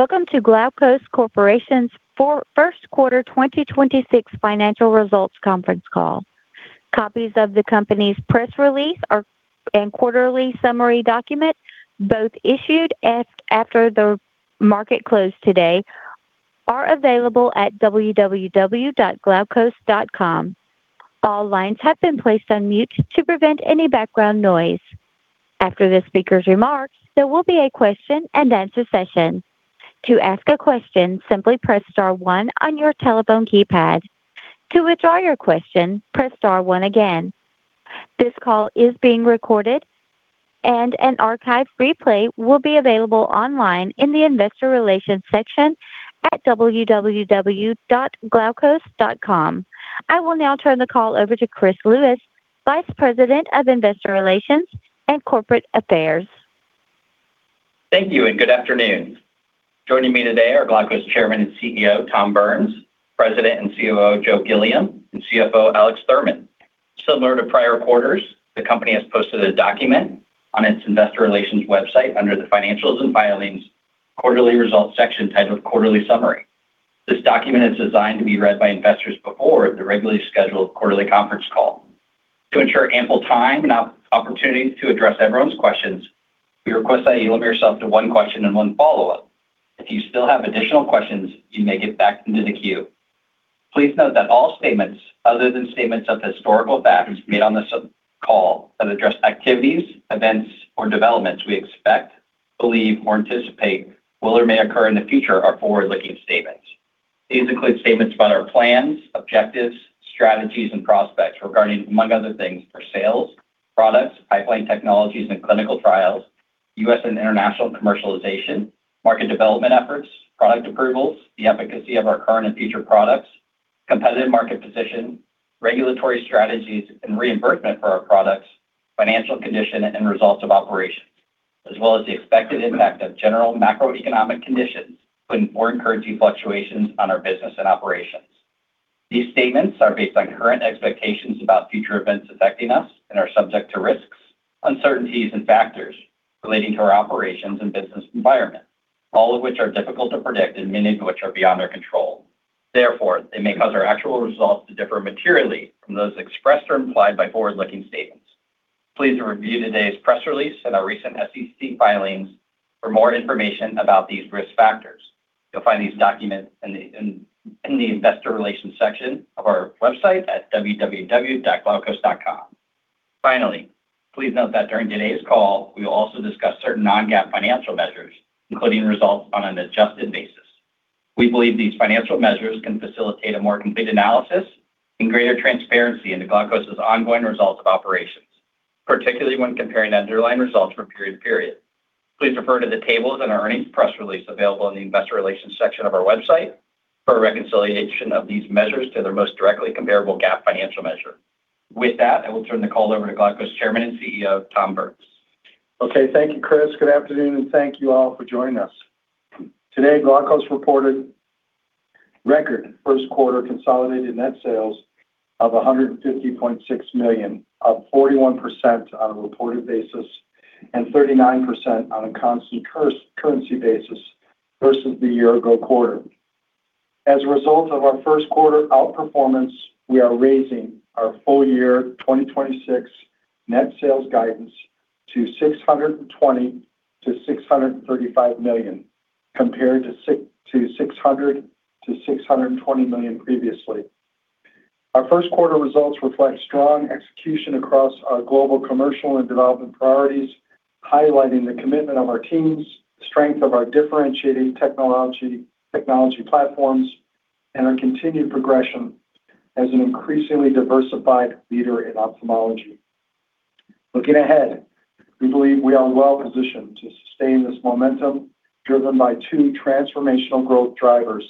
Welcome to Glaukos Corporation's first quarter 2026 financial results conference call. Copies of the company's press release are and quarterly summary document, both issued after the market closed today, are available at www.glaukos.com. All lines have been placed on mute to prevent any background noise. After the speaker's remarks, there will be a question-and-answer session. To ask a question, simply press star one on your telephone keypad. To withdraw your question, press star one again. This call is being recorded, and an archive replay will be available online in the investor relations section at www.glaukos.com. I will now turn the call over to Chris Lewis, Vice President of Investor Relations and Corporate Affairs. Thank you and good afternoon. Joining me today are Glaukos Chairman and CEO, Tom Burns, President and COO, Joe Gilliam, and CFO, Alex Thurman. Similar to prior quarters, the company has posted a document on its investor relations website under the Financials and Filings Quarterly Results section titled Quarterly Summary. This document is designed to be read by investors before the regularly scheduled quarterly conference call. To ensure ample time and opportunities to address everyone's questions, we request that you limit yourself to one question and one follow-up. If you still have additional questions, you may get back into the queue. Please note that all statements other than statements of historical facts made on this call that address activities, events, or developments we expect, believe, or anticipate will or may occur in the future are forward-looking statements. These include statements about our plans, objectives, strategies, and prospects regarding, among other things, our sales, products, pipeline technologies and clinical trials, U.S. and international commercialization, market development efforts, product approvals, the efficacy of our current and future products, competitive market position, regulatory strategies, and reimbursement for our products, financial condition and results of operations, as well as the expected impact of general macroeconomic conditions when more encouraging fluctuations on our business and operations. These statements are based on current expectations about future events affecting us and are subject to risks, uncertainties, and factors relating to our operations and business environment, all of which are difficult to predict and many of which are beyond our control. Therefore, they may cause our actual results to differ materially from those expressed or implied by forward-looking statements. Please review today's press release and our recent SEC filings for more information about these risk factors. You'll find these documents in the Investor Relations section of our website at www.glaukos.com. Please note that during today's call, we will also discuss certain non-GAAP financial measures, including results on an adjusted basis. We believe these financial measures can facilitate a more complete analysis and greater transparency into Glaukos' ongoing results of operations, particularly when comparing underlying results from period to period. Please refer to the tables in our earnings press release available in the Investor Relations section of our website for a reconciliation of these measures to their most directly comparable GAAP financial measure. I will turn the call over to Glaukos Chairman and CEO, Tom Burns. Okay, thank you, Chris. Good afternoon, and thank you all for joining us. Today, Glaukos reported record first quarter consolidated net sales of $150.6 million, up 41% on a reported basis and 39% on a constant currency basis versus the year ago quarter. As a result of our first quarter outperformance, we are raising our full year 2026 net sales guidance to $620 million-$635 million, compared to $600 million-$620 million previously. Our first quarter results reflect strong execution across our global commercial and development priorities, highlighting the commitment of our teams, strength of our differentiating technology platforms, and our continued progression as an increasingly diversified leader in ophthalmology. Looking ahead, we believe we are well positioned to sustain this momentum driven by two transformational growth drivers,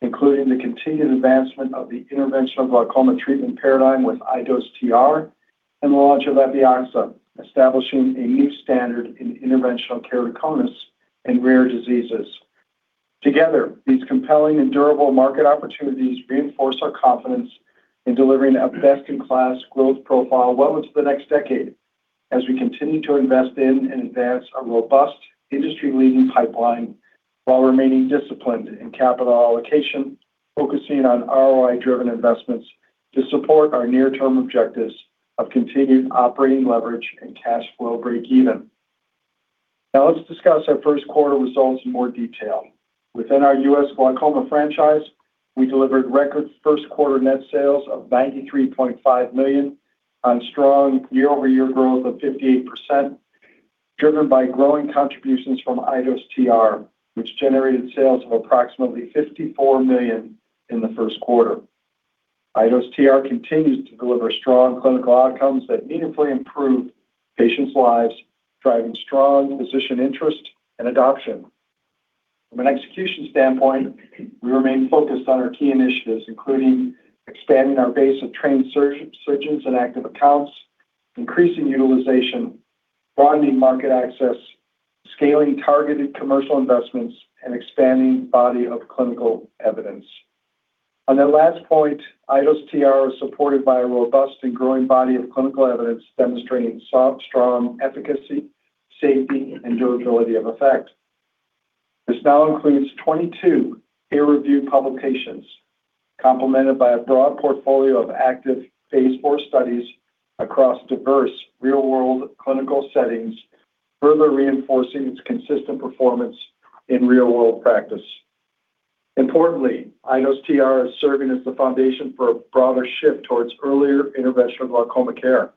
including the continued advancement of the interventional glaucoma treatment paradigm with iDose TR and the launch of Epioxa, establishing a new standard in interventional keratoconus and rare diseases. Together, these compelling and durable market opportunities reinforce our confidence in delivering a best-in-class growth profile well into the next decade as we continue to invest in and advance a robust industry-leading pipeline while remaining disciplined in capital allocation, focusing on ROI-driven investments to support our near-term objectives of continued operating leverage and cash flow breakeven. Now let's discuss our first quarter results in more detail. Within our U.S. glaucoma franchise, we delivered record first quarter net sales of $93.5 million on strong year-over-year growth of 58%, driven by growing contributions from iDose TR, which generated sales of approximately $54 million in the first quarter. iDose TR continues to deliver strong clinical outcomes that meaningfully improve patients' lives, driving strong physician interest and adoption. From an execution standpoint, we remain focused on our key initiatives, including expanding our base of trained surgeons and active accounts, increasing utilization, broadening market access, scaling targeted commercial investments, and expanding body of clinical evidence. That last point, iDose TR is supported by a robust and growing body of clinical evidence demonstrating strong efficacy, safety, and durability of effect. This now includes 22 peer-reviewed publications complemented by a broad portfolio of active phase IV studies across diverse real-world clinical settings, further reinforcing its consistent performance in real-world practice. Importantly, iDose TR is serving as the foundation for a broader shift towards earlier interventional glaucoma care.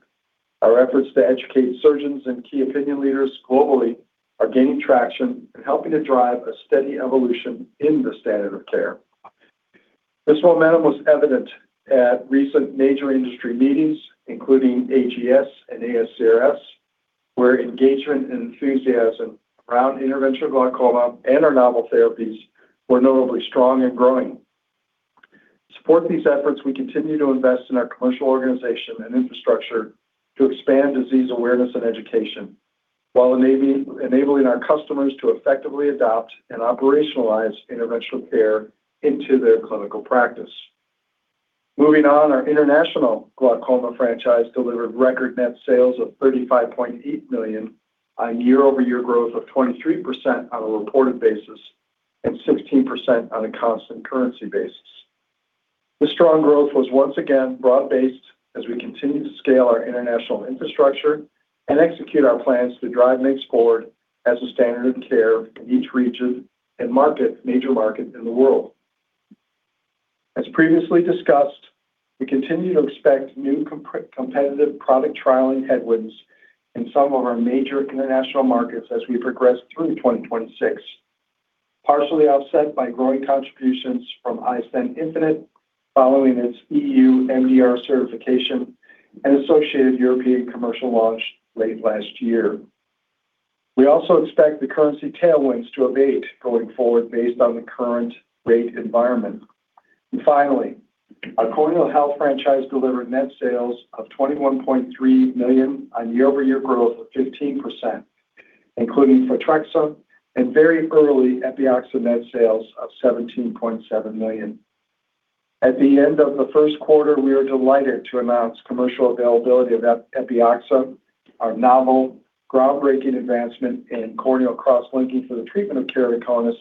Our efforts to educate surgeons and key opinion leaders globally are gaining traction and helping to drive a steady evolution in the standard of care. This momentum was evident at recent major industry meetings, including AGS and ASCRS, where engagement and enthusiasm around interventional glaucoma and our novel therapies were notably strong and growing. To support these efforts, we continue to invest in our commercial organization and infrastructure to expand disease awareness and education while enabling our customers to effectively adopt and operationalize interventional care into their clinical practice. Moving on, our international glaucoma franchise delivered record net sales of $35.8 million on year-over-year growth of 23% on a reported basis and 16% on a constant currency basis. This strong growth was once again broad-based as we continue to scale our international infrastructure and execute our plans to drive MIGS forward as a standard of care in each region and major market in the world. As previously discussed, we continue to expect new comp-competitive product trialing headwinds in some of our major international markets as we progress through 2026, partially offset by growing contributions from iStent infinite following its EU MDR certification and associated European commercial launch late last year. We also expect the currency tailwinds to abate going forward based on the current rate environment. Finally, our corneal health franchise delivered net sales of $21.3 million on year-over-year growth of 15%, including Photrexa and very early Epioxa net sales of $17.7 million. At the end of the first quarter, we are delighted to announce commercial availability of Epioxa, our novel groundbreaking advancement in corneal cross-linking for the treatment of keratoconus,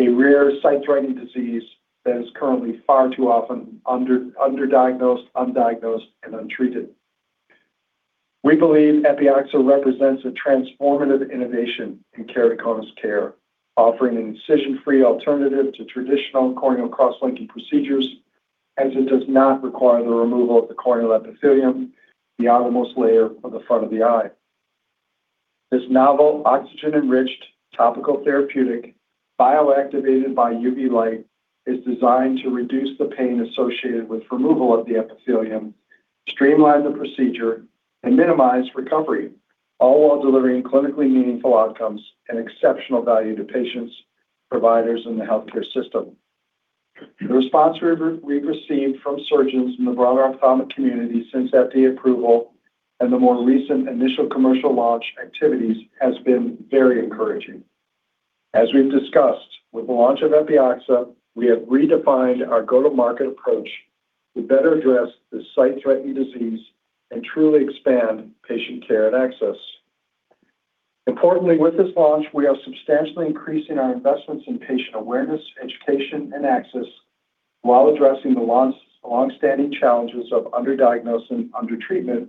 a rare sight-threatening disease that is currently far too often underdiagnosed, undiagnosed, and untreated. We believe Epioxa represents a transformative innovation in keratoconus care, offering an incision-free alternative to traditional corneal cross-linking procedures as it does not require the removal of the corneal epithelium, the outermost layer of the front of the eye. This novel oxygen-enriched topical therapeutic bioactivated by UV light is designed to reduce the pain associated with removal of the epithelium, streamline the procedure, and minimize recovery, all while delivering clinically meaningful outcomes and exceptional value to patients, providers in the healthcare system. The response we've received from surgeons in the broader ophthalmic community since FDA approval and the more recent initial commercial launch activities has been very encouraging. As we've discussed, with the launch of Epioxa, we have redefined our go-to-market approach to better address this sight-threatening disease and truly expand patient care and access. Importantly, with this launch, we are substantially increasing our investments in patient awareness, education, and access while addressing the longstanding challenges of underdiagnosis and undertreatment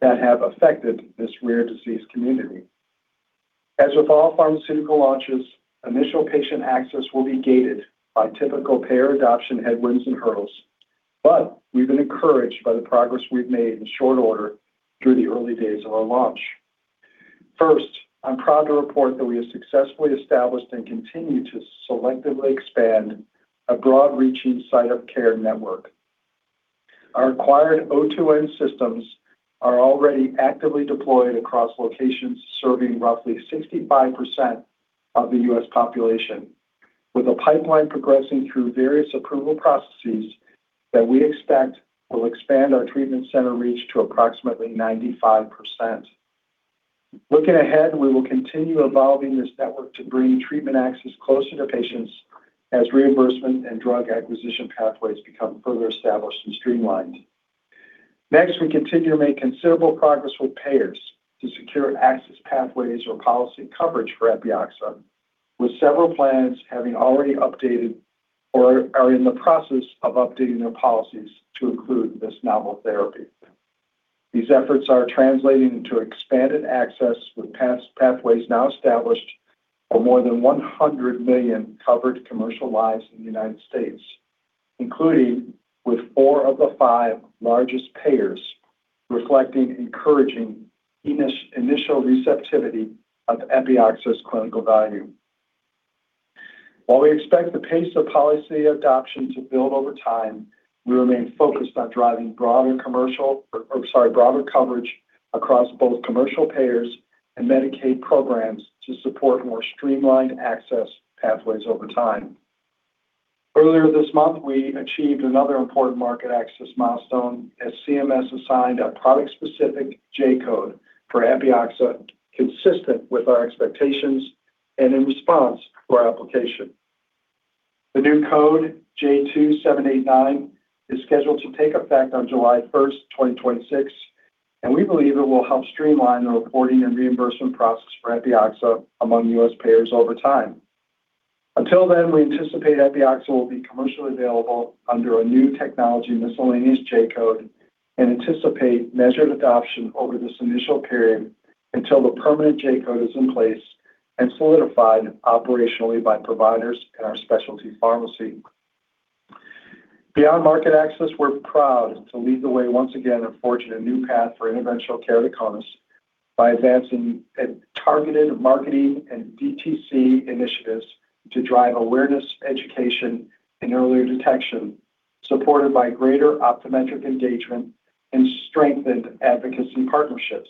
that have affected this rare disease community. As with all pharmaceutical launches, initial patient access will be gated by typical payer adoption headwinds and hurdles. We've been encouraged by the progress we've made in short order through the early days of our launch. First, I'm proud to report that we have successfully established and continue to selectively expand a broad-reaching site of care network. Our acquired O2n systems are already actively deployed across locations serving roughly 65% of the U.S. population, with a pipeline progressing through various approval processes that we expect will expand our treatment center reach to approximately 95%. Looking ahead, we will continue evolving this network to bring treatment access closer to patients as reimbursement and drug acquisition pathways become further established and streamlined. Next, we continue to make considerable progress with payers to secure access pathways or policy coverage for Epioxa, with several plans having already updated or are in the process of updating their policies to include this novel therapy. These efforts are translating to expanded access with pathways now established for more than 100 million covered commercial lives in the United States, including with four of the five largest payers reflecting encouraging initial receptivity of Epioxa's clinical value. While we expect the pace of policy adoption to build over time, we remain focused on driving broader commercial broader coverage across both commercial payers and Medicaid programs to support more streamlined access pathways over time. Earlier this month, we achieved another important market access milestone as CMS assigned a product-specific J-code for Epioxa consistent with our expectations. In response to our application. The new code J2789 is scheduled to take effect on July 1st, 2026. We believe it will help streamline the reporting and reimbursement process for Epioxa among U.S. payers over time. Until then, we anticipate Epioxa will be commercially available under a new technology miscellaneous J-code. We anticipate measured adoption over this initial period until the permanent J-code is in place and solidified operationally by providers and our specialty pharmacy. Beyond market access, we're proud to lead the way once again and forge a new path for interventional keratoconus by advancing a targeted marketing and DTC initiatives to drive awareness, education, and earlier detection, supported by greater optometric engagement and strengthened advocacy partnerships.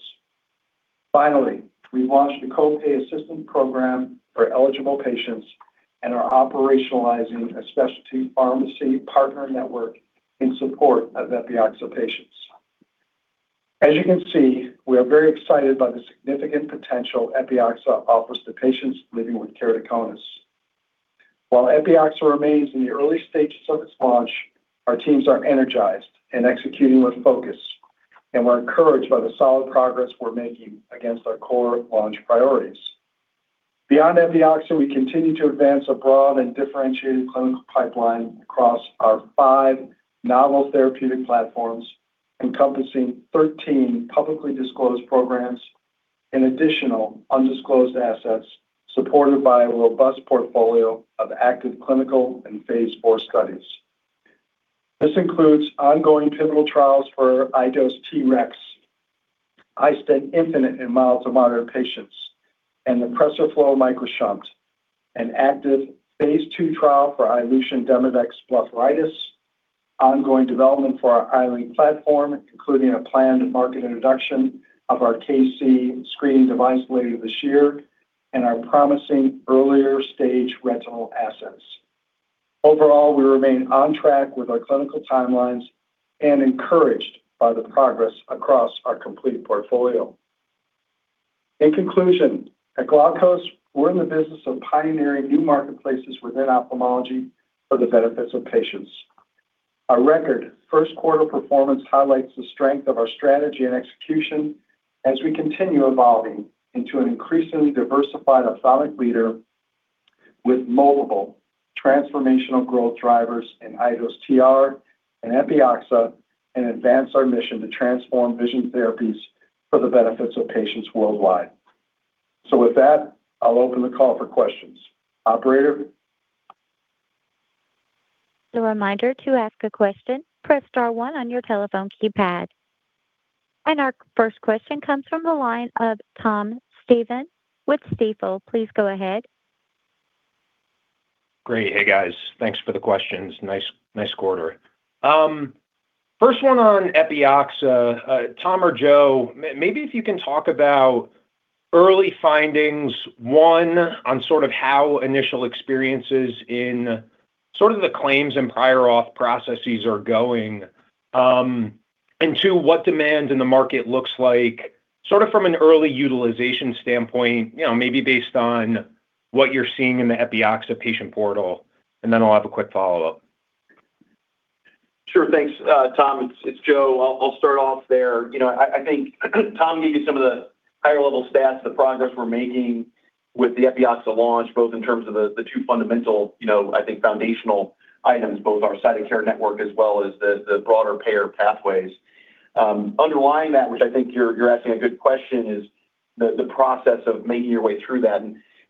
Finally, we launched a co-pay assistance program for eligible patients and are operationalizing a specialty pharmacy partner network in support of Epioxa patients. As you can see, we are very excited by the significant potential Epioxa offers to patients living with keratoconus. While Epioxa remains in the early stages of its launch, our teams are energized and executing with focus, and we're encouraged by the solid progress we're making against our core launch priorities. Beyond Epioxa, we continue to advance a broad and differentiated clinical pipeline across our five novel therapeutic platforms, encompassing 13 publicly disclosed programs and additional undisclosed assets supported by a robust portfolio of active clinical and phase IV studies. This includes ongoing pivotal trials for iDose TREX, iStent infinite in mild to moderate patients, and the PRESERFLO MicroShunt, an active phase II trial for iLution for Demodex Blepharitis, ongoing development for our iLink platform, including a planned market introduction of our KC screening device later this year, and our promising earlier-stage retinal assets. Overall, we remain on track with our clinical timelines and encouraged by the progress across our complete portfolio. In conclusion, at Glaukos, we're in the business of pioneering new marketplaces within ophthalmology for the benefits of patients. Our record first quarter performance highlights the strength of our strategy and execution as we continue evolving into an increasingly diversified ophthalmic leader with multiple transformational growth drivers in iDose TR and Epioxa and advance our mission to transform vision therapies for the benefits of patients worldwide. With that, I'll open the call for questions. Operator? A reminder to ask a question, press star one on your telephone keypad. Our first question comes from the line of Tom Stephan with Stifel. Please go ahead. Great. Hey, guys. Thanks for the questions. Nice, nice quarter. First one on Epioxa. Tom or Joe, maybe if you can talk about early findings, one, on sort of how initial experiences in sort of the claims and prior auth processes are going, and two, what demand in the market looks like, sort of from an early utilization standpoint, you know, maybe based on what you're seeing in the Epioxa patient portal. I'll have a quick follow-up. Sure. Thanks, Tom. It's Joe. I'll start off there. You know, I think Tom gave you some of the higher-level stats, the progress we're making with the Epioxa launch, both in terms of the two fundamental, I think foundational items, both our site of care network as well as the broader payer pathways. Underlying that, which I think you're asking a good question, is the process of making your way through that.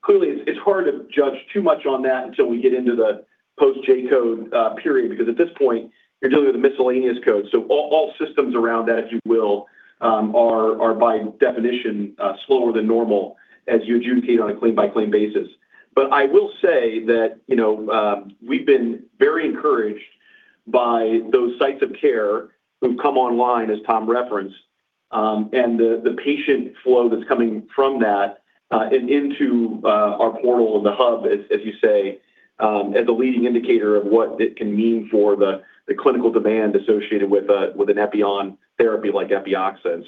Clearly it's hard to judge too much on that until we get into the post-J-code period because at this point you're dealing with a miscellaneous code. All systems around that, if you will, are by definition slower than normal as you adjudicate on a claim-by-claim basis. I will say that, you know, we've been very encouraged by those sites of care who've come online, as Tom referenced, and the patient flow that's coming from that into our portal and the hub, as you say, as a leading indicator of what it can mean for the clinical demand associated with an Epi-on therapy like Epioxa.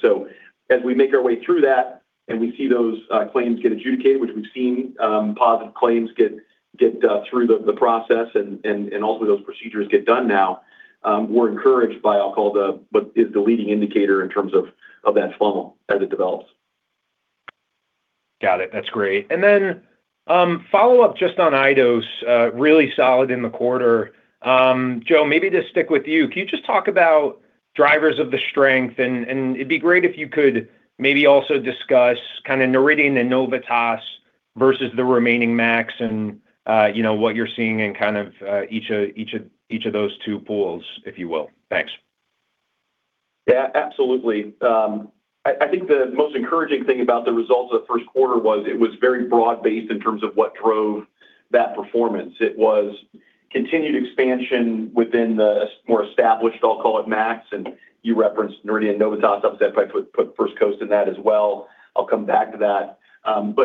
As we make our way through that and we see those claims get adjudicated, which we've seen positive claims get through the process and ultimately those procedures get done now, we're encouraged by, I'll call what is the leading indicator in terms of that funnel as it develops. Got it. That's great. Then, follow-up just on iDose, really solid in the quarter. Joe, maybe to stick with you. Can you just talk about drivers of the strength? It'd be great if you could maybe also discuss kind of Noridian and Novitas versus the remaining MACs and, you know, what you're seeing in kind of, each of those two pools, if you will. Thanks. Yeah, absolutely. I think the most encouraging thing about the results of the first quarter was it was very broad-based in terms of what drove that performance. It was continued expansion within the more established, I'll call it MACs, and you referenced Noridian, Novitas. I'm surprised I put First Coast in that as well. I'll come back to that.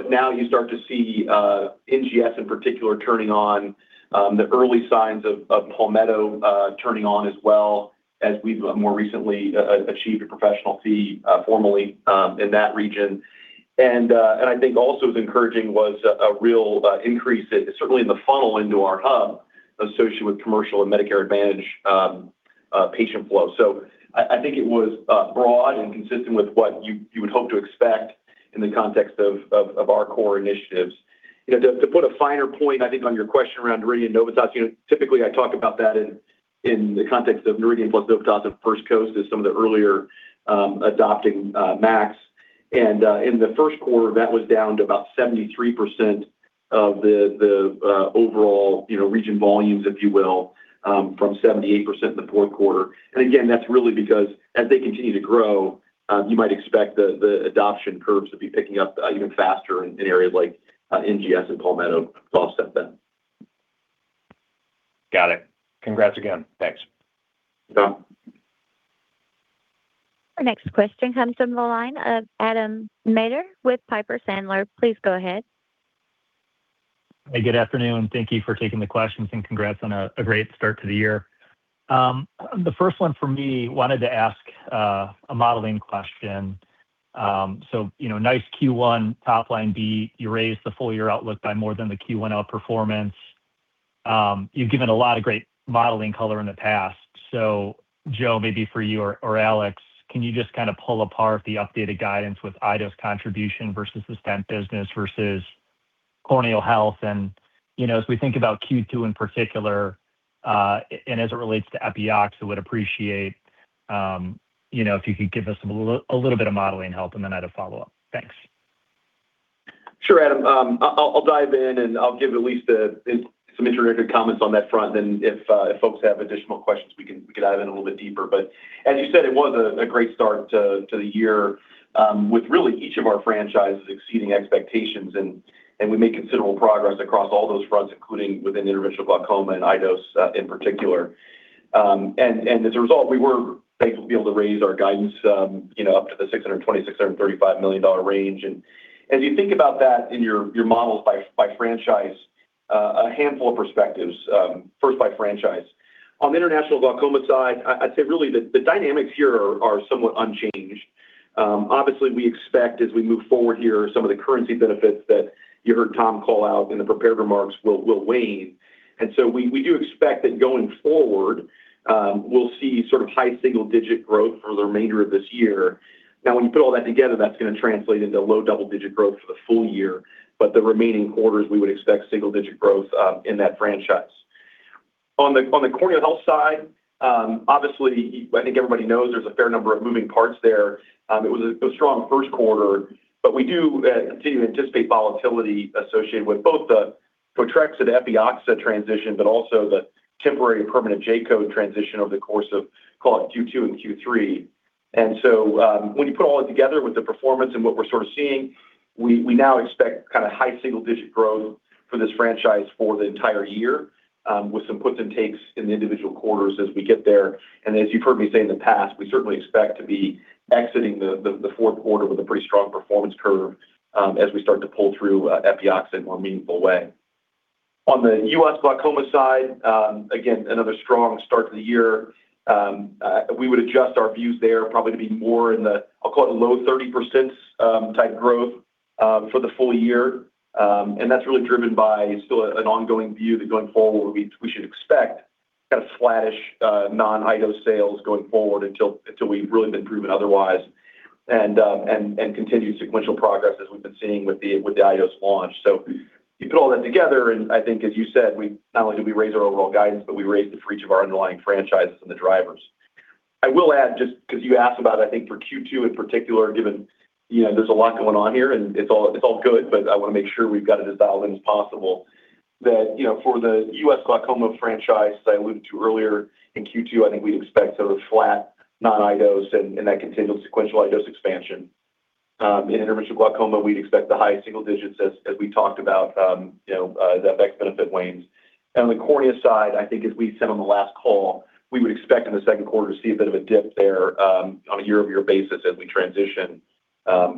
Now you start to see NGS in particular turning on, the early signs of Palmetto turning on as well as we've more recently achieved a professional fee formally in that region. I think also was encouraging was a real increase in, certainly in the funnel into our hub associated with commercial and Medicare Advantage patient flow. I think it was broad and consistent with what you would hope to expect in the context of our core initiatives. You know, to put a finer point, I think on your question around Noridian and Novitas, you know, typically I talk about that in the context of Noridian plus Novitas and First Coast as some of the earlier adopting MACs. In the first quarter, that was down to about 73% of the overall, you know, region volumes, if you will, from 78% in the fourth quarter. Again, that's really because as they continue to grow, you might expect the adoption curves to be picking up even faster in areas like NGS and Palmetto to offset that. Got it. Congrats again. Thanks. Yeah. Our next question comes from the line of Adam Maeder with Piper Sandler. Please go ahead. Hey, good afternoon. Thank you for taking the questions, and congrats on a great start to the year. The first one for me, wanted to ask a modeling question. You know, nice Q1 top line beat. You raised the full year outlook by more than the Q1 outperformance. You've given a lot of great modeling color in the past. Joe, maybe for you or Alex, can you just kind of pull apart the updated guidance with iDose contribution versus the stent business versus corneal health? You know, as we think about Q2 in particular, and as it relates to Epioxa, I would appreciate, you know, if you could give us a little bit of modeling help, and then I had a follow-up. Thanks. Sure, Adam. I'll dive in, and I'll give at least some introductory comments on that front. Then if folks have additional questions, we can dive in a little bit deeper. As you said, it was a great start to the year, with really each of our franchises exceeding expectations. We made considerable progress across all those fronts, including within interventional glaucoma and iDose in particular. As a result, we were thankful to be able to raise our guidance, you know, up to the $626 million-$635 million range. As you think about that in your models by franchise, a handful of perspectives, first by franchise. On the international glaucoma side, I'd say really the dynamics here are somewhat unchanged. Obviously, we expect as we move forward here, some of the currency benefits that you heard Tom call out in the prepared remarks will wane. We do expect that going forward, we'll see sort of high single-digit growth for the remainder of this year. When you put all that together, that's gonna translate into low double-digit growth for the full year. The remaining quarters, we would expect single-digit growth in that franchise. On the corneal health side, obviously, I think everybody knows there's a fair number of moving parts there. It was a strong first quarter, but we do continue to anticipate volatility associated with both the Photrexa and Epioxa transition, but also the temporary and permanent J-code transition over the course of, call it Q2 and Q3. When you put all that together with the performance and what we're sort of seeing, we now expect kinda high single-digit growth for this franchise for the entire year, with some puts and takes in the individual quarters as we get there. As you've heard me say in the past, we certainly expect to be exiting the fourth quarter with a pretty strong performance curve, as we start to pull through Epioxa in more meaningful way. On the U.S. glaucoma side, again, another strong start to the year. We would adjust our views there probably to be more in the, I'll call it low 30% type growth for the full year. That's really driven by still an ongoing view that going forward we should expect kind of flattish non-iDose sales going forward until we've really been proven otherwise. Continued sequential progress as we've been seeing with the iDose launch. You put all that together, and I think, as you said, not only did we raise our overall guidance, but we raised it for each of our underlying franchises and the drivers. I will add, just 'cause you asked about, I think for Q2 in particular, given, you know, there's a lot going on here, and it's all good, but I wanna make sure we've got it as dialed in as possible. That, you know, for the U.S. glaucoma franchise that I alluded to earlier, in Q2, I think we'd expect sort of flat non-iDose and that continual sequential iDose expansion. In interventional glaucoma, we'd expect the high single digits as we talked about, you know, as FX benefit wanes. On the cornea side, I think as we said on the last call, we would expect in the second quarter to see a bit of a dip there on a year-over-year basis as we transition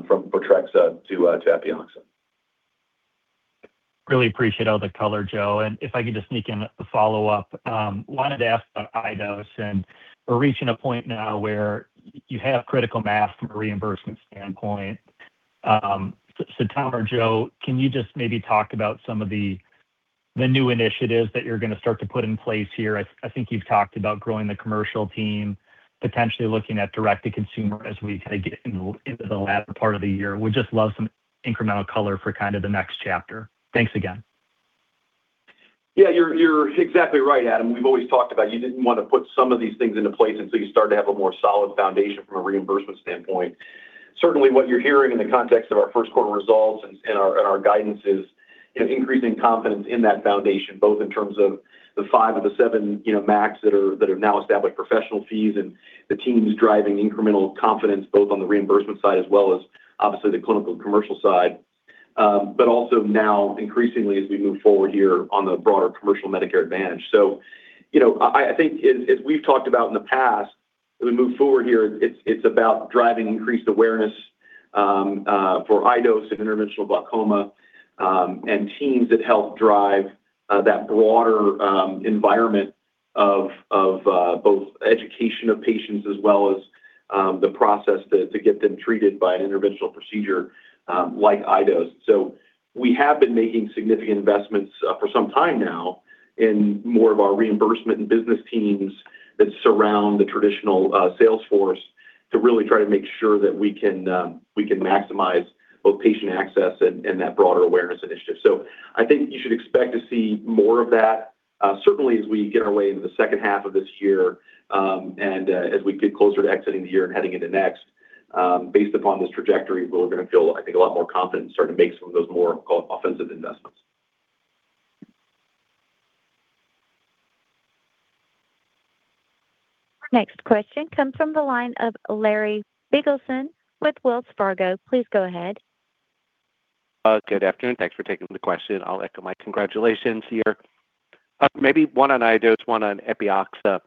from Photrexa to Epioxa. Really appreciate all the color, Joe. If I could just sneak in a follow-up. Wanted to ask about iDose, and we're reaching a point now where you have critical mass from a reimbursement standpoint. Tom or Joe, can you just maybe talk about some of the new initiatives that you're going to start to put in place here? I think you've talked about growing the commercial team, potentially looking at direct to consumer as we kind of get into the latter part of the year. Would just love some incremental color for kind of the next chapter. Thanks again. Yeah, you're exactly right, Adam. We've always talked about you didn't wanna put some of these things into place until you start to have a more solid foundation from a reimbursement standpoint. Certainly, what you're hearing in the context of our first quarter results and our, and our guidance is, you know, increasing confidence in that foundation, both in terms of the five of the seven, you know, MACs that are, that have now established professional fees and the teams driving incremental confidence both on the reimbursement side as well as obviously the clinical and commercial side. But also now increasingly as we move forward here on the broader commercial Medicare Advantage. You know, I think as we've talked about in the past, as we move forward here, it's about driving increased awareness for iDose and interventional glaucoma and teams that help drive that broader environment of both education of patients as well as the process to get them treated by an interventional procedure like iDose. We have been making significant investments for some time now in more of our reimbursement and business teams that surround the traditional sales force to really try to make sure that we can, we can maximize both patient access and that broader awareness initiative. I think you should expect to see more of that, certainly as we get our way into the second half of this year, and as we get closer to exiting the year and heading into next. Based upon this trajectory, we're gonna feel, I think, a lot more confident and start to make some of those more offensive investments. Next question comes from the line of Larry Biegelsen with Wells Fargo. Please go ahead. Good afternoon. Thanks for taking the question. I'll echo my congratulations here. Maybe one on iDose, one on Epioxa.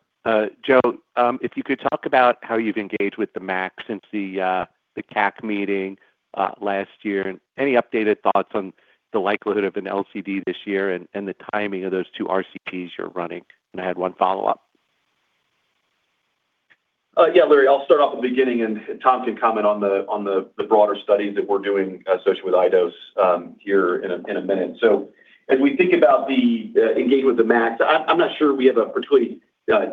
Joe, if you could talk about how you've engaged with the MACs since the CAC meeting last year, and any updated thoughts on the likelihood of an LCD this year and the timing of those two RCTs you're running. I had one follow-up. Yeah, Larry, I'll start off at the beginning, and Tom can comment on the broader studies that we're doing associated with iDose in a minute. As we think about the engagement with the MACs, I'm not sure we have a particularly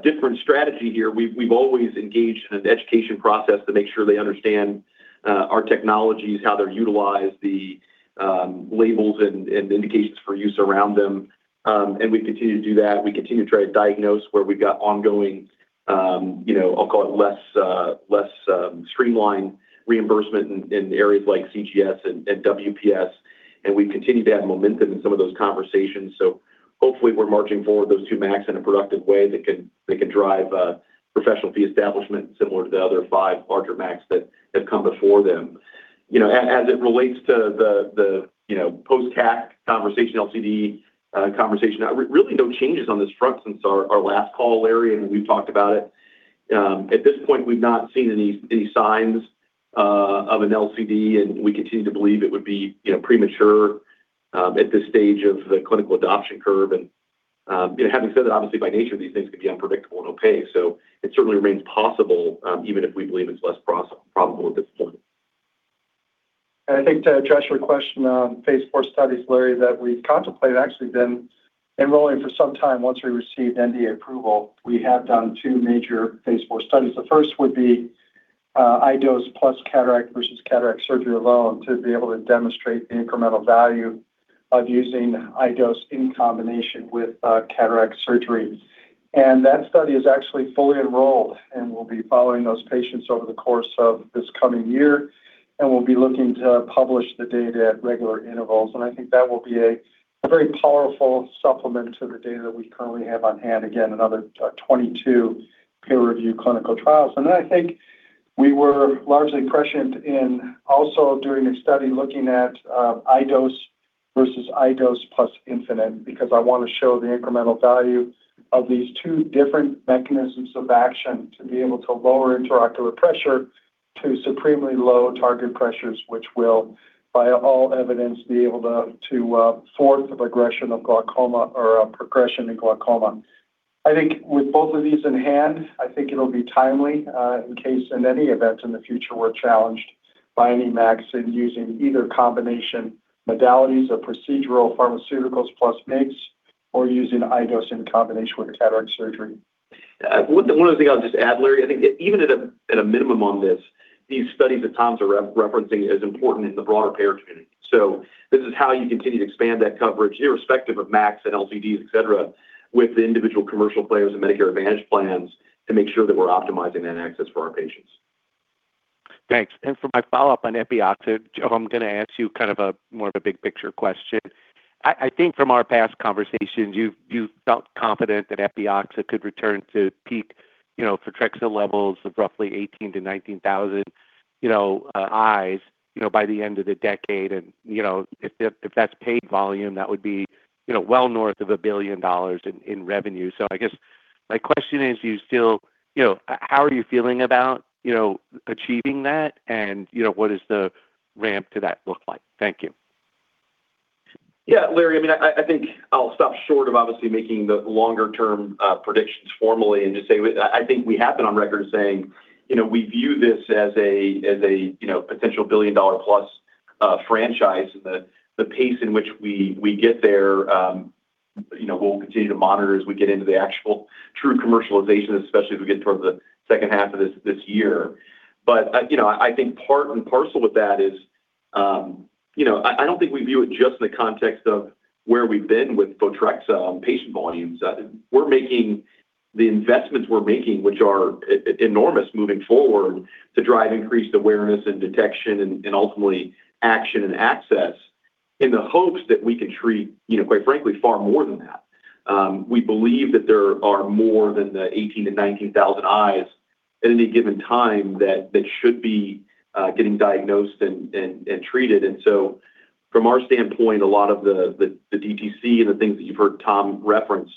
different strategy here. We've always engaged in an education process to make sure they understand our technologies, how they're utilized, the labels and indications for use around them. We continue to do that. We continue to try to diagnose where we've got ongoing, you know, I'll call it less, less streamlined reimbursement in areas like CGS and WPS. We continue to add momentum in some of those conversations. Hopefully we're marching forward those two MACs in a productive way that can, that can drive professional fee establishment similar to the other five larger MACs that have come before them. You know, as it relates to the, you know, post-CAC conversation, LCD conversation, really no changes on this front since our last call, Larry, and we've talked about it. At this point, we've not seen any signs of an LCD, and we continue to believe it would be, you know, premature at this stage of the clinical adoption curve. You know, having said that, obviously by nature, these things can be unpredictable and opaque. It certainly remains possible, even if we believe it's less probable at this point. I think to address your question on phase IV studies, Larry, that we've contemplated, actually been enrolling for some time once we received NDA approval. We have done two major phase IV studies. The first would be iDose plus cataract versus cataract surgery alone to be able to demonstrate the incremental value of using iDose in combination with cataract surgery. That study is actually fully enrolled, and we'll be following those patients over the course of this coming year, and we'll be looking to publish the data at regular intervals. I think that will be a very powerful supplement to the data that we currently have on hand. Again, another 22 peer-reviewed clinical trials. I think we were largely prescient in also doing a study looking at iDose versus iDose plus infinite because I want to show the incremental value of these two different mechanisms of action to be able to lower intraocular pressure to supremely low target pressures, which will, by all evidence, be able to thwart the progression of glaucoma or progression in glaucoma. I think with both of these in hand, I think it'll be timely in case in any event in the future we're challenged by any MACs in using either combination modalities of procedural pharmaceuticals plus MIGS or using iDose in combination with cataract surgery. One other thing I'll just add, Larry. I think even at a minimum on this, these studies that Tom's referencing is important in the broader payer community. This is how you continue to expand that coverage irrespective of MACs and LCDs, et cetera, with the individual commercial players and Medicare Advantage plans to make sure that we're optimizing that access for our patients. Thanks. For my follow-up on Epioxa, Joe, I'm gonna ask you kind of a more of a big picture question. I think from our past conversations, you've felt confident that Epioxa could return to peak, you know, Photrexa levels of roughly 18,000-19,000, you know, eyes, you know, by the end of the decade. You know, if that's paid volume, that would be, you know, well north of $1 billion in revenue. I guess my question is, do you still You know, how are you feeling about, you know, achieving that? You know, what does the ramp to that look like? Thank you. Yeah, Larry, I mean, I think I'll stop short of obviously making the longer-term predictions formally and just say I think we have been on record as saying, you know, we view this as a, as a, you know, potential $1+ billion franchise. The pace in which we get there, you know, we'll continue to monitor as we get into the actual true commercialization, especially as we get towards the second half of this year. I think part and parcel with that is, you know, I don't think we view it just in the context of where we've been with Photrexa on patient volumes. The investments we're making, which are enormous moving forward to drive increased awareness and detection and ultimately action and access in the hopes that we can treat, you know, quite frankly, far more than that. We believe that there are more than the 18,000-19,000 eyes at any given time that should be getting diagnosed and treated. From our standpoint, a lot of the DTC and the things that you've heard Tom reference,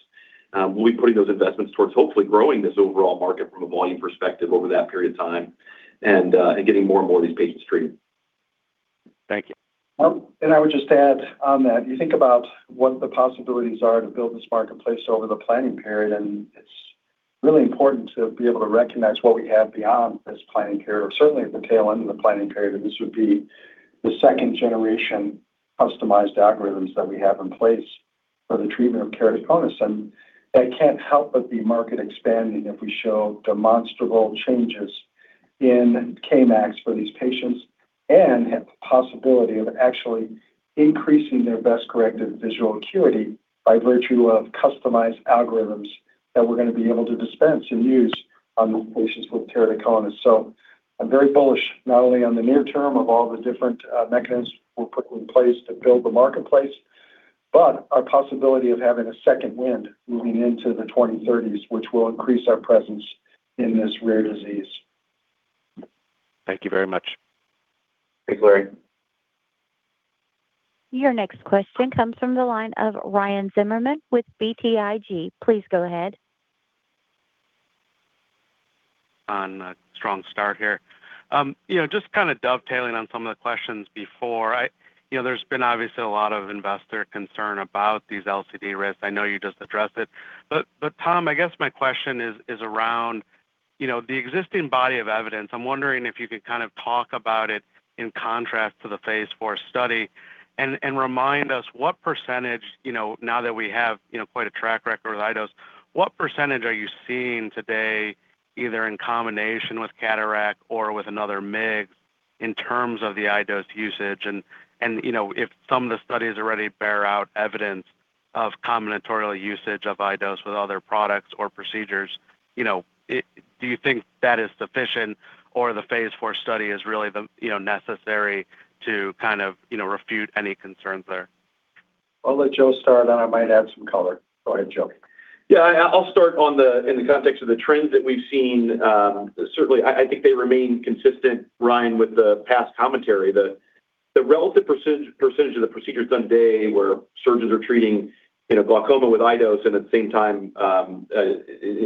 we'll be putting those investments towards hopefully growing this overall market from a volume perspective over that period of time and getting more and more of these patients treated. Thank you. I would just add on that, you think about what the possibilities are to build this marketplace over the planning period, and it's really important to be able to recognize what we have beyond this planning period. Certainly, at the tail end of the planning period, this would be the second generation customized algorithms that we have in place for the treatment of keratoconus, and that can't help but be market expanding if we show demonstrable changes in Kmax for these patients and have the possibility of actually increasing their best corrective visual acuity by virtue of customized algorithms that we're gonna be able to dispense and use on these patients with keratoconus. I'm very bullish, not only on the near term of all the different mechanisms we'll put in place to build the marketplace, but our possibility of having a second wind moving into the 2030s, which will increase our presence in this rare disease. Thank you very much. Thanks, Larry. Your next question comes from the line of Ryan Zimmerman with BTIG. Please go ahead. On a strong start here. You know, just kinda dovetailing on some of the questions before. You know, there's been obviously a lot of investor concern about these LCD risks. I know you just addressed it. But Tom, I guess my question is around, you know, the existing body of evidence. I'm wondering if you could kind of talk about it in contrast to the phase IV study and remind us what percentage, you know, now that we have, you know, quite a track record with iDose, what percentage are you seeing today, either in combination with cataract or with another MIG in terms of the iDose usage? You know, if some of the studies already bear out evidence of combinatorial usage of iDose with other products or procedures, you know, do you think that is sufficient or the phase IV study is really the, you know, necessary to kind of, you know, refute any concerns there? I'll let Joe start, then I might add some color. Go ahead, Joe. Yeah, I'll start in the context of the trends that we've seen. Certainly, I think they remain consistent, Ryan, with the past commentary. The relative percentage of the procedures done today where surgeons are treating, you know, glaucoma with iDose and at the same time,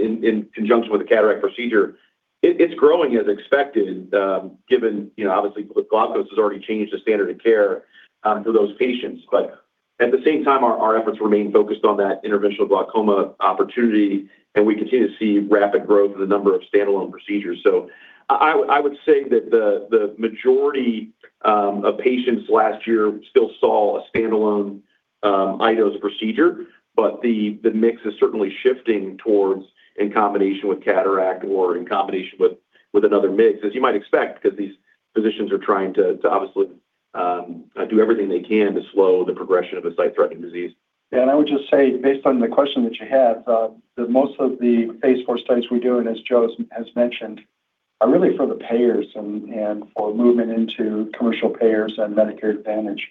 in conjunction with a cataract procedure, it's growing as expected, given, you know, obviously, with glaucoma this has already changed the standard of care for those patients. At the same time, our efforts remain focused on that interventional glaucoma opportunity, and we continue to see rapid growth in the number of standalone procedures. I would say that the majority of patients last year still saw a standalone iDose procedure, but the mix is certainly shifting towards in combination with cataract or in combination with another MIGS, as you might expect, because these physicians are trying to obviously do everything they can to slow the progression of a sight-threatening disease. Yeah, I would just say, based on the question that you had, that most of the phase IV studies we do, and as Joe has mentioned, are really for the payers and for movement into commercial payers and Medicare Advantage.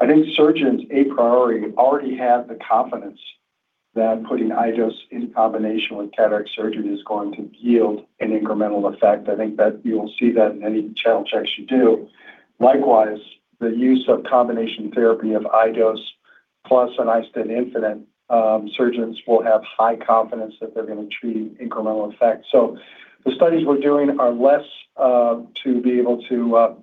I think surgeons, a priority, already have the confidence that putting iDose in combination with cataract surgery is going to yield an incremental effect. I think that you'll see that in any channel checks you do. Likewise, the use of combination therapy of iDose plus an iStent infinite, surgeons will have high confidence that they're going to achieve incremental effect. The studies we're doing are less to be able to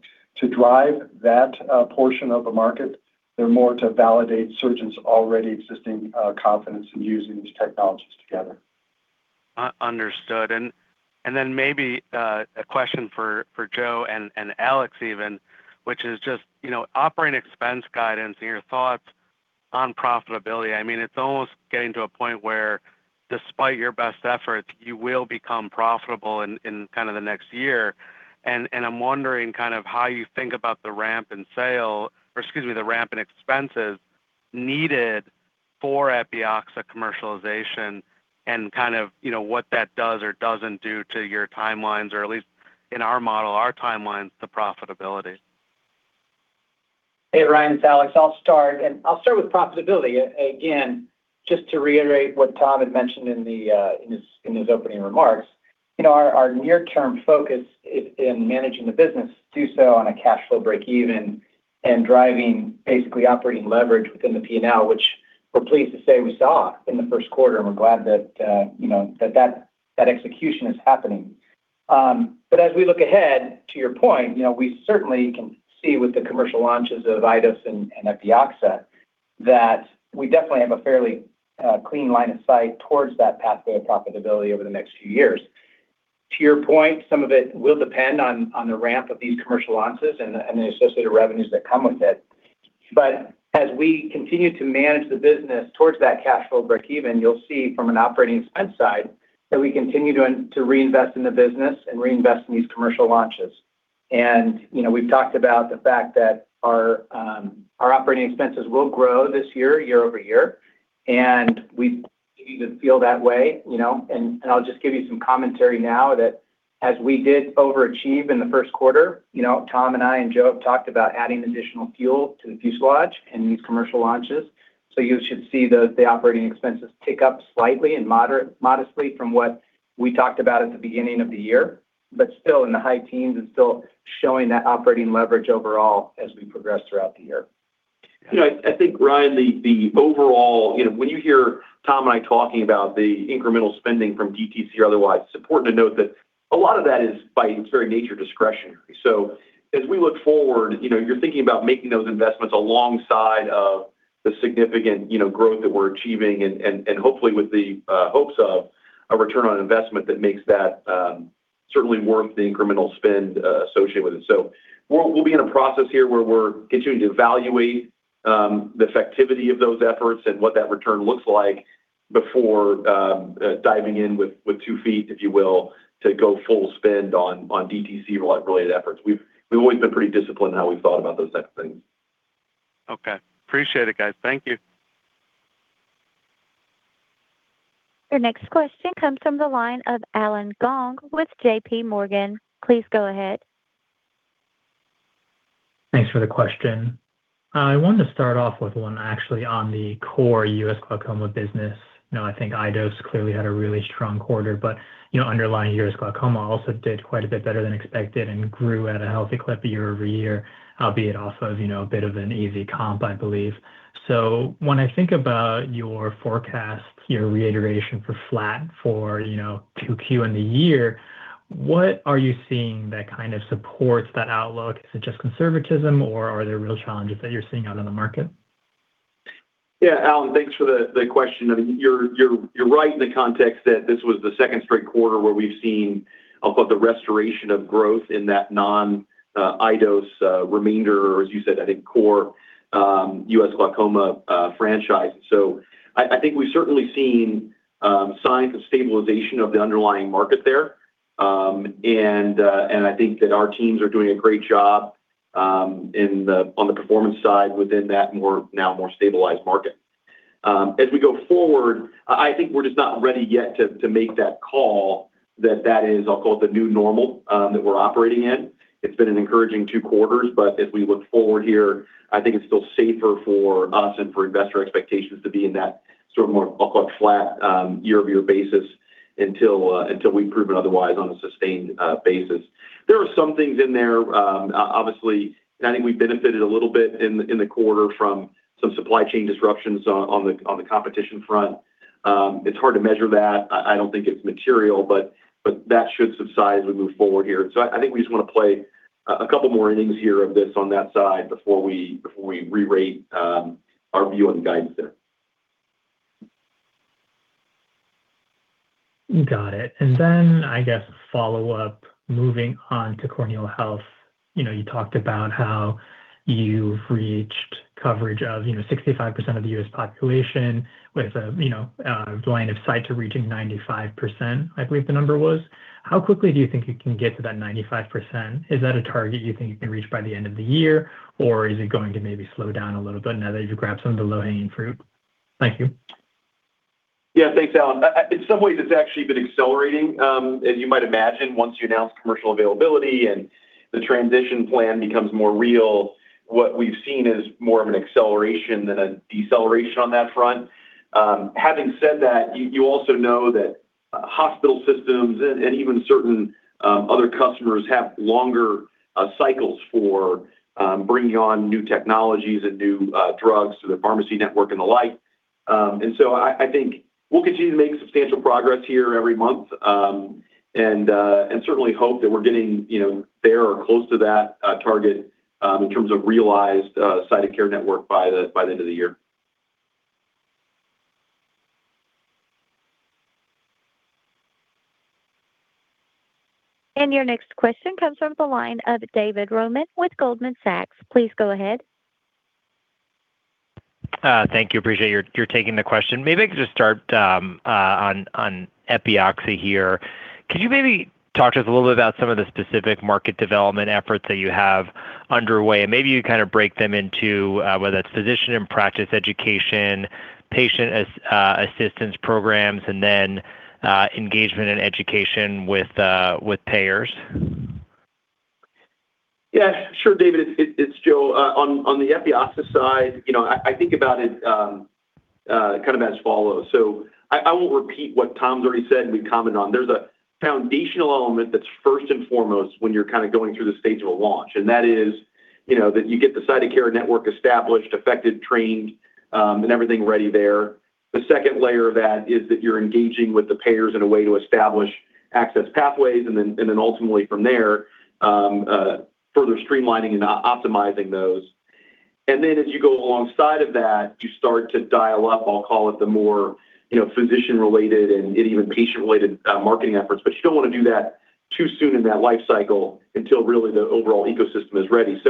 drive that portion of the market. They're more to validate surgeons' already existing confidence in using these technologies together. Understood. Then maybe a question for Joe and Alex even, which is just operating expense guidance and your thoughts on profitability. It's almost getting to a point where despite your best efforts, you will become profitable in kind of the next year. I'm wondering kind of how you think about the ramp in expenses needed for Epioxa commercialization and kind of what that does or doesn't do to your timelines, or at least in our model, our timelines to profitability. Hey, Ryan, it's Alex. I'll start. I'll start with profitability. Again, just to reiterate what Tom had mentioned in his opening remarks, you know, our near-term focus in managing the business do so on a cash flow breakeven and driving basically operating leverage within the P&L, which we're pleased to say we saw in the first quarter. We're glad that, you know, that execution is happening. As we look ahead, to your point, you know, we certainly can see with the commercial launches of iDose and Epioxa that we definitely have a fairly clean line of sight towards that pathway of profitability over the next few years. To your point, some of it will depend on the ramp of these commercial launches and the associated revenues that come with it. As we continue to manage the business towards that cash flow breakeven, you'll see from an operating expense side that we continue to reinvest in the business and reinvest in these commercial launches. You know, we've talked about the fact that our operating expenses will grow this year-over-year, and we continue to feel that way, you know. I'll just give you some commentary now that as we did overachieve in the first quarter, you know, Tom and I and Joe have talked about adding additional fuel to the fuselage in these commercial launches. You should see the operating expenses tick up slightly and modestly from what we talked about at the beginning of the year, still in the high teens and still showing that operating leverage overall as we progress throughout the year. You know, I think, Ryan, the overall, you know, when you hear Tom and I talking about the incremental spending from DTC or otherwise, it's important to note that a lot of that is by its very nature discretionary. As we look forward, you know, you're thinking about making those investments alongside of the significant, you know, growth that we're achieving and hopefully with the hopes of a return on investment that makes that certainly worth the incremental spend associated with it. We'll be in a process here where we're continuing to evaluate the effectivity of those efforts and what that return looks like before diving in with two feet, if you will, to go full spend on DTC related efforts. We've always been pretty disciplined in how we've thought about those types of things. Okay. Appreciate it, guys. Thank you. Your next question comes from the line of Allen Gong with JPMorgan. Please go ahead. Thanks for the question. I wanted to start off with one actually on the core U.S. glaucoma business. You know, I think iDose clearly had a really strong quarter, but you know, underlying U.S. glaucoma also did quite a bit better than expected and grew at a healthy clip year-over-year, albeit off of, you know, a bit of an easy comp, I believe. When I think about your forecast, your reiteration for flat for, you know, 2Q in the year, what are you seeing that kind of supports that outlook? Is it just conservatism, or are there real challenges that you're seeing out in the market? Yeah, Allen, thanks for the question. I mean, you're right in the context that this was the second straight quarter where we've seen of the restoration of growth in that non-iDose remainder, or as you said, I think, core U.S. glaucoma franchise. I think we've certainly seen signs of stabilization of the underlying market there. I think that our teams are doing a great job on the performance side within that more, now more stabilized market. As we go forward, I think we're just not ready yet to make that call that that is, I'll call it the new normal that we're operating in. It's been an encouraging two quarters. As we look forward here, I think it's still safer for us and for investor expectations to be in that sort of more, I'll call it flat, year-over-year basis until we've proven otherwise on a sustained basis. There are some things in there, obviously, I think we benefited a little bit in the quarter from some supply chain disruptions on the competition front. It's hard to measure that. I don't think it's material, but that should subside as we move forward here. I think we just want to play a couple more innings here of this on that side before we re-rate our view on the guidance there. Got it. I guess a follow-up, moving on to corneal health. You know, you talked about how you've reached coverage of, you know, 65% of the U.S. population with, you know, line of sight to reaching 95%, I believe the number was. How quickly do you think you can get to that 95%? Is that a target you think you can reach by the end of the year, or is it going to maybe slow down a little bit now that you've grabbed some of the low-hanging fruit? Thank you. Yeah, thanks, Allen. In some ways, it's actually been accelerating. As you might imagine, once you announce commercial availability and the transition plan becomes more real, what we've seen is more of an acceleration than a deceleration on that front. Having said that, you also know that hospital systems and even certain other customers have longer cycles for bringing on new technologies and new drugs to the pharmacy network and the like. I think we'll continue to make substantial progress here every month, and certainly hope that we're getting, you know, there or close to that target, in terms of realized sighted care network by the end of the year. Your next question comes from the line of David Roman with Goldman Sachs. Please go ahead. Thank you. Appreciate your taking the question. Maybe I could just start on Epioxa here. Could you maybe talk to us a little bit about some of the specific market development efforts that you have underway? Maybe you kind of break them into whether it's physician and practice education, patient assistance programs, and then engagement and education with payers. Yeah, sure, David. It's Joe. On the Epioxa side, you know, I think about it kind of as follows. I won't repeat what Tom's already said and we've commented on. There's a foundational element that's first and foremost when you're kind of going through the stage of a launch, that is, you know, that you get the sighted care network established, effective, trained, and everything ready there. The second layer of that is that you're engaging with the payers in a way to establish access pathways, then ultimately from there further streamlining and optimizing those. As you go alongside of that, you start to dial up, I'll call it the more, you know, physician-related and even patient-related marketing efforts. You don't wanna do that too soon in that life cycle until really the overall ecosystem is ready.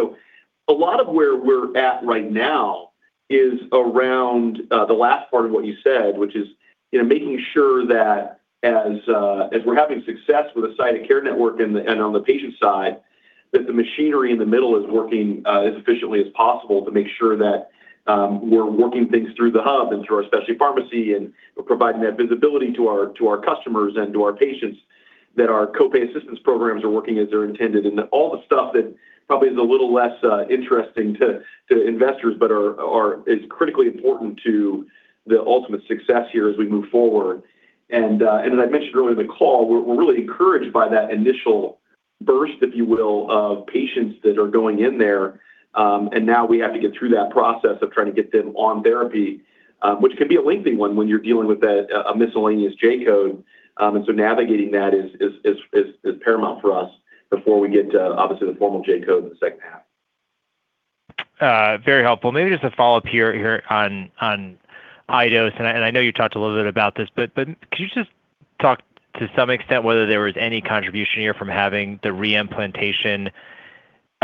A lot of where we're at right now is around the last part of what you said, which is, you know, making sure that as we're having success with the sighted care network and on the patient side, that the machinery in the middle is working as efficiently as possible to make sure that we're working things through the hub and through our specialty pharmacy, and we're providing that visibility to our, to our customers and to our patients, that our co-pay assistance programs are working as they're intended. All the stuff that probably is a little less interesting to investors, but is critically important to the ultimate success here as we move forward. As I mentioned earlier in the call, we're really encouraged by that initial burst, if you will, of patients that are going in there. Now we have to get through that process of trying to get them on therapy, which can be a lengthy one when you're dealing with a miscellaneous J-code. Navigating that is paramount for us before we get to obviously the formal J-code in the second half. Very helpful. Maybe just a follow-up here on iDose, and I know you talked a little bit about this, but could you just talk to some extent whether there was any contribution here from having the re-implantation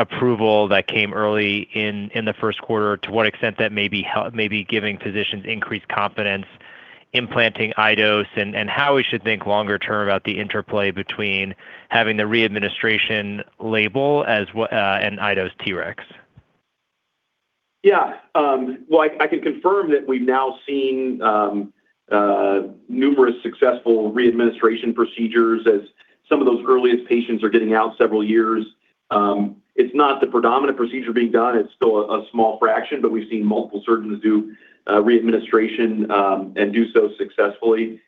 approval that came early in the first quarter, to what extent that may be giving physicians increased confidence implanting iDose and how we should think longer term about the interplay between having the re-administration label and iDose TREX? Yeah. Well, I can confirm that we've now seen numerous successful re-administration procedures as some of those earliest patients are getting out several years. It's not the predominant procedure being done. It's still a small fraction, but we've seen multiple surgeons do re-administration and do so successfully.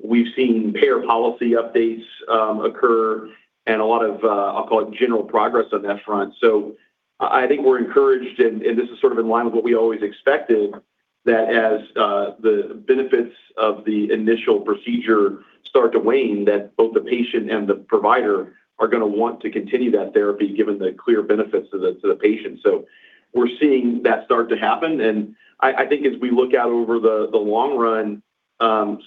We've seen payer policy updates occur and a lot of, I'll call it general progress on that front. I think we're encouraged, and this is sort of in line with what we always expected, that as the benefits of the initial procedure start to wane, that both the patient and the provider are gonna want to continue that therapy given the clear benefits to the patient. We're seeing that start to happen, I think as we look out over the long run,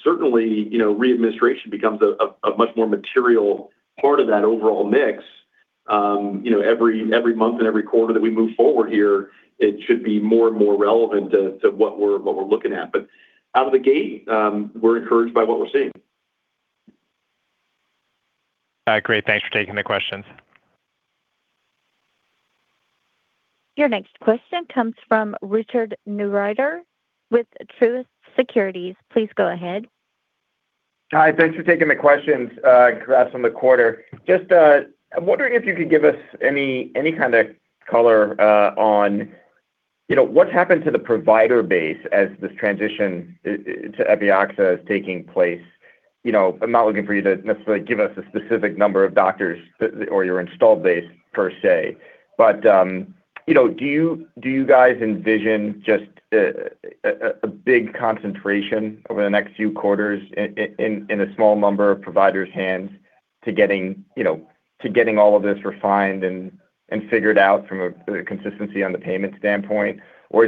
certainly, you know, re-administration becomes a much more material part of that overall mix. You know, every month and every quarter that we move forward here, it should be more and more relevant to what we're looking at. Out of the gate, we're encouraged by what we're seeing. Great. Thanks for taking the questions. Your next question comes from Richard Newitter with Truist Securities. Please go ahead. Hi. Thanks for taking the questions, congrats on the quarter. Just, I'm wondering if you could give us any kind of color on, you know, what's happened to the provider base as this transition to Epioxa is taking place. You know, I'm not looking for you to necessarily give us a specific number of doctors or your installed base per se, but, you know, do you guys envision just a big concentration over the next few quarters in a small number of providers' hands to getting, you know, to getting all of this refined and figured out from a, the consistency on the payment standpoint? Or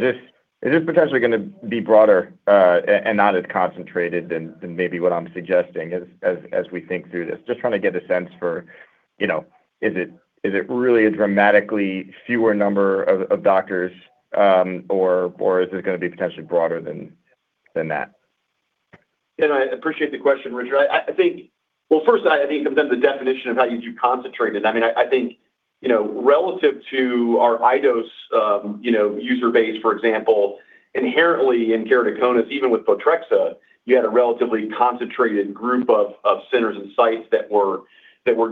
is this potentially gonna be broader and not as concentrated than maybe what I'm suggesting as we think through this? Just trying to get a sense for, you know, is it really a dramatically fewer number of doctors, or is this gonna be potentially broader than that? I appreciate the question, Richard. I think. Well, first, I think it depends the definition of how you do concentrated. I mean, I think, you know, relative to our iDose, you know, user base, for example, inherently in keratoconus, even with Photrexa, you had a relatively concentrated group of centers and sites that were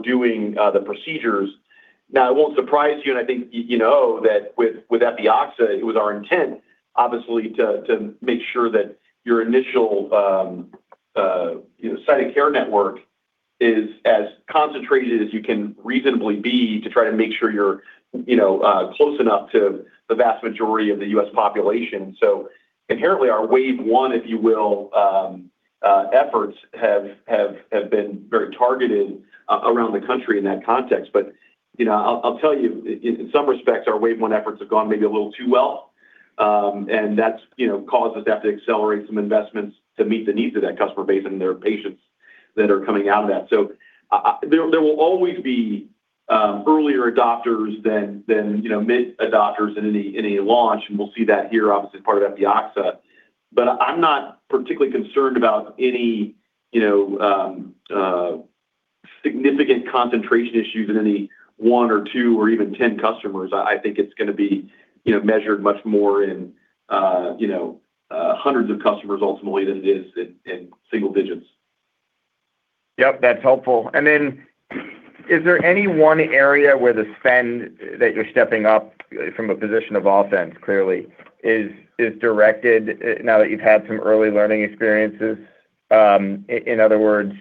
doing the procedures. It won't surprise you, and I think you know that with Epioxa, it was our intent, obviously, to make sure that your initial, you know, site of care network is as concentrated as you can reasonably be to try to make sure you're, you know, close enough to the vast majority of the U.S. population. Inherently, our wave one, if you will, efforts have been very targeted around the country in that context. You know, I'll tell you, in some respects, our wave one efforts have gone maybe a little too well, and that's, you know, caused us to have to accelerate some investments to meet the needs of that customer base and their patients that are coming out of that. There will always be earlier adopters than, you know, mid adopters in any launch, and we'll see that here obviously as part of Epioxa. I'm not particularly concerned about any, you know, significant concentration issues in any one or two or even 10 customers. I think it's gonna be, you know, measured much more in, you know, hundreds of customers ultimately than it is in single digits. Yep. That's helpful. Then is there any one area where the spend that you're stepping up from a position of offense, clearly, is directed now that you've had some early learning experiences? In other words,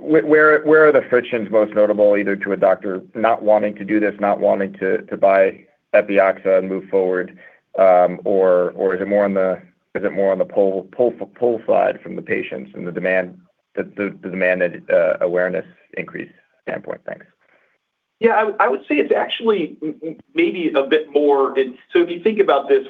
where are the frictions most notable either to a doctor not wanting to do this, not wanting to buy Epioxa and move forward, or is it more on the, is it more on the pull side from the patients and the demand and awareness increase standpoint? Thanks. Yeah. I would say it's actually maybe a bit more. If you think about this,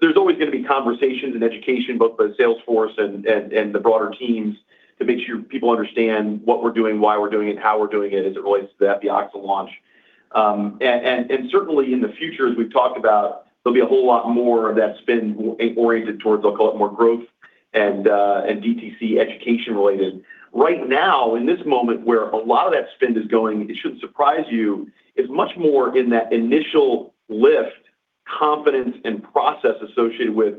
there's always gonna be conversations and education, both the sales force and the broader teams to make sure people understand what we're doing, why we're doing it, how we're doing it as it relates to the Epioxa launch. And certainly in the future, as we've talked about, there'll be a whole lot more of that spend oriented towards, I'll call it more growth and DTC education related. Right now, in this moment where a lot of that spend is going, it shouldn't surprise you, it's much more in that initial lift, confidence, and process associated with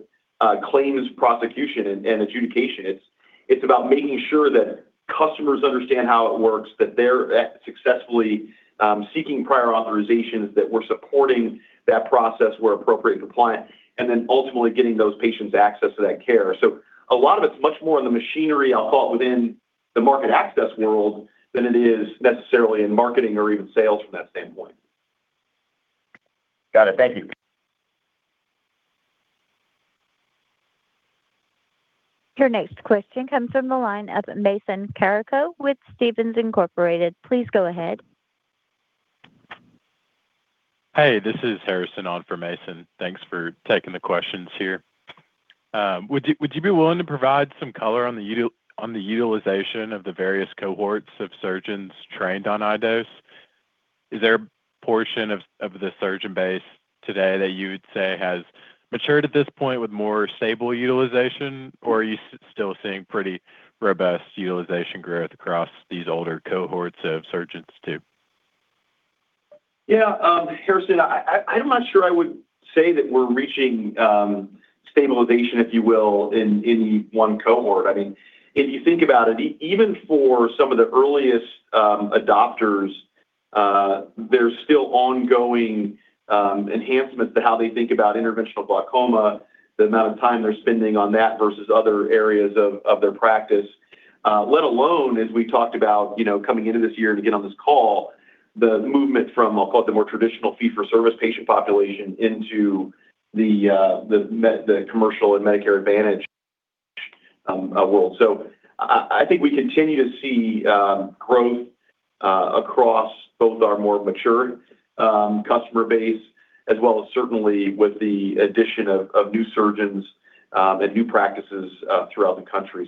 claims prosecution and adjudication. It's about making sure that customers understand how it works, that they're successfully seeking prior authorizations, that we're supporting that process where appropriate and compliant, and then ultimately getting those patients access to that care. A lot of it's much more in the machinery, I'll call it, within the market access world than it is necessarily in marketing or even sales from that standpoint. Got it. Thank you. Your next question comes from the line of Mason Carrico with Stephens Incorporated. Please go ahead. Hey, this is Harrison on for Mason. Thanks for taking the questions here. Would you be willing to provide some color on the utilization of the various cohorts of surgeons trained on iDose? Is there a portion of the surgeon base today that you would say has matured at this point with more stable utilization? Are you still seeing pretty robust utilization growth across these older cohorts of surgeons too? Harrison, I'm not sure I would say that we're reaching stabilization, if you will, in one cohort. I mean, if you think about it, even for some of the earliest adopters, there's still ongoing enhancements to how they think about interventional glaucoma, the amount of time they're spending on that versus other areas of their practice. Let alone, as we talked about, you know, coming into this year and again on this call, the movement from, I'll call it the more traditional fee-for-service patient population into the commercial and Medicare Advantage world. I think we continue to see growth across both our more mature customer base as well as certainly with the addition of new surgeons and new practices throughout the country.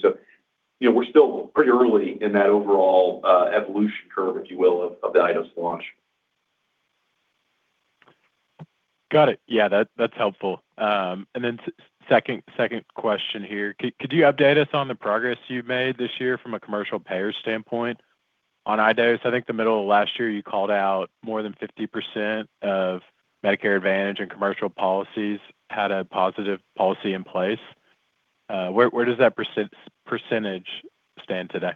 You know, we're still pretty early in that overall evolution curve, if you will, of the iDose launch. Got it. Yeah, that's helpful. Then second question here. Could you update us on the progress you made this year from a commercial payer standpoint on iDose? I think the middle of last year, you called out more than 50% of Medicare Advantage and commercial policies had a positive policy in place. Where does that percentage stand today?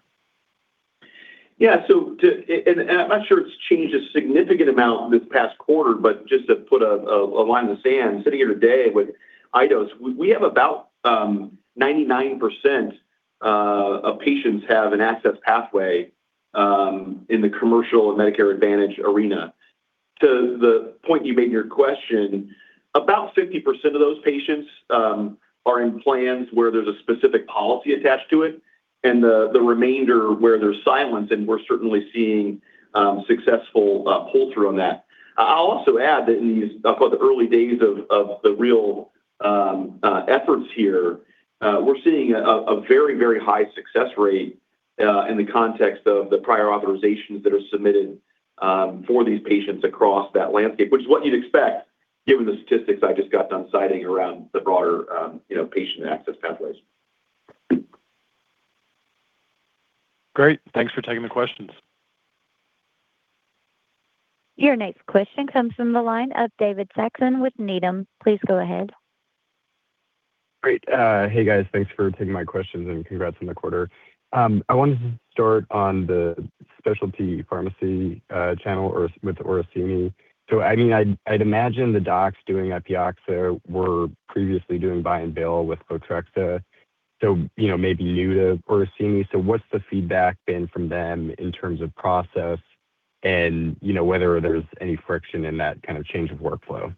Yeah, I'm not sure it's changed a significant amount this past quarter, but just to put a line in the sand, sitting here today with iDose, we have about 99% of patients have an access pathway in the commercial and Medicare Advantage arena. To the point you made in your question, about 50% of those patients are in plans where there's a specific policy attached to it and the remainder where there's silence, and we're certainly seeing successful pull-through on that. I'll also add that in these, I'll call it the early days of the real efforts here, we're seeing a very, very high success rate in the context of the prior authorizations that are submitted for these patients across that landscape, which is what you'd expect given the statistics I just got done citing around the broader, you know, patient access pathways. Great. Thanks for taking the questions. Your next question comes from the line of David Saxon with Needham. Please go ahead. Great. Hey, guys. Thanks for taking my questions and congrats on the quarter. I wanted to start on the specialty pharmacy channel or with Orsini. I mean, I'd imagine the docs doing Epioxa were previously doing buy and bill with Photrexa, so, you know, maybe new to Orsini. What's the feedback been from them in terms of process and, you know, whether there's any friction in that kind of change of workflow?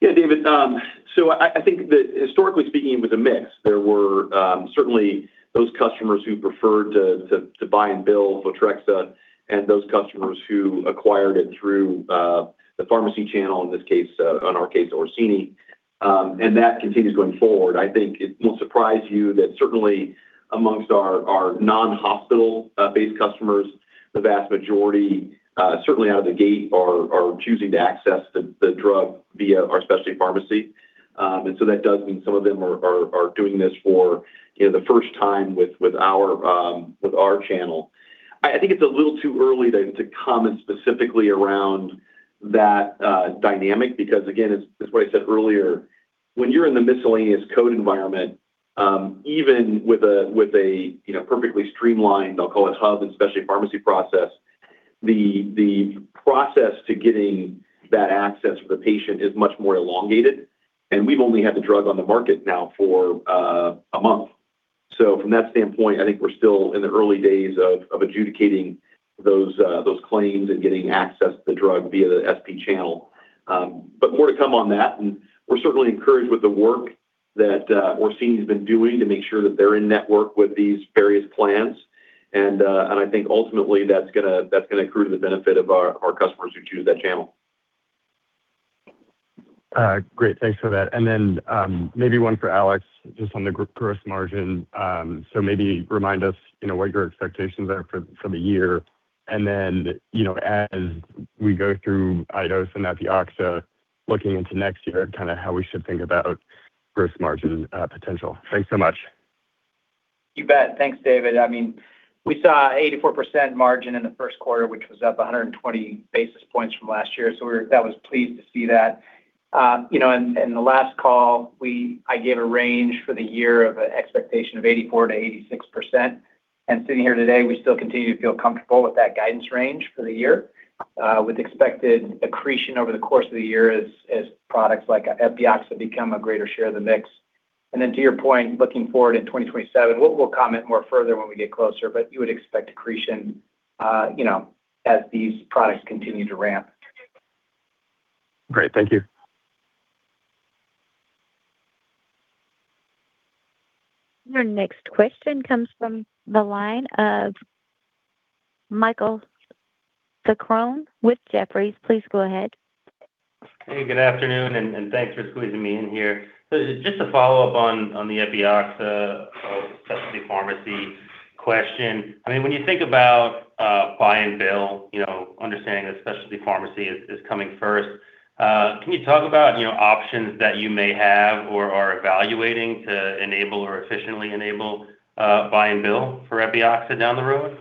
Yeah, David. I think that historically speaking, it was a mix. There were certainly those customers who preferred to buy and bill Photrexa and those customers who acquired it through the pharmacy channel, in this case, on our case, Orsini. That continues going forward. I think it won't surprise you that certainly amongst our non-hospital based customers, the vast majority certainly out of the gate are choosing to access the drug via our specialty pharmacy. That does mean some of them are doing this for, you know, the first time with our channel. I think it's a little too early to comment specifically around that dynamic because again, as Tom said earlier, when you're in the miscellaneous code environment, even with a, you know, perfectly streamlined, I'll call it hub and specialty pharmacy process, the process to getting that access for the patient is much more elongated, and we've only had the drug on the market now for a month. From that standpoint, I think we're still in the early days of adjudicating those claims and getting access to the drug via the SP channel. More to come on that, and we're certainly encouraged with the work that Orsini's been doing to make sure that they're in network with these various plans. I think ultimately that's gonna accrue to the benefit of our customers who choose that channel. Great. Thanks for that. Maybe one for Alex, just on the gross margin. Maybe remind us, you know, what your expectations are for the year. You know, as we go through iDose and Epioxa, looking into next year, kind of how we should think about gross margin potential. Thanks so much. You bet. Thanks, David. I mean, we saw 84% margin in the first quarter, which was up 120 basis points from last year. that was pleased to see that. you know, in the last call, I gave a range for the year of an expectation of 84%-86%. sitting here today, we still continue to feel comfortable with that guidance range for the year, with expected accretion over the course of the year as products like Epioxa become a greater share of the mix To your point, looking forward in 2027, we'll comment more further when we get closer, but you would expect accretion, you know, as these products continue to ramp. Great. Thank you. Your next question comes from the line of Michael Sarcone with Jefferies. Please go ahead. Hey, good afternoon, and thanks for squeezing me in here. Just a follow-up on the Epioxa specialty pharmacy question. I mean, when you think about buy and bill, you know, understanding that specialty pharmacy is coming first, can you talk about, you know, options that you may have or are evaluating to enable or efficiently enable buy and bill for Epioxa down the road?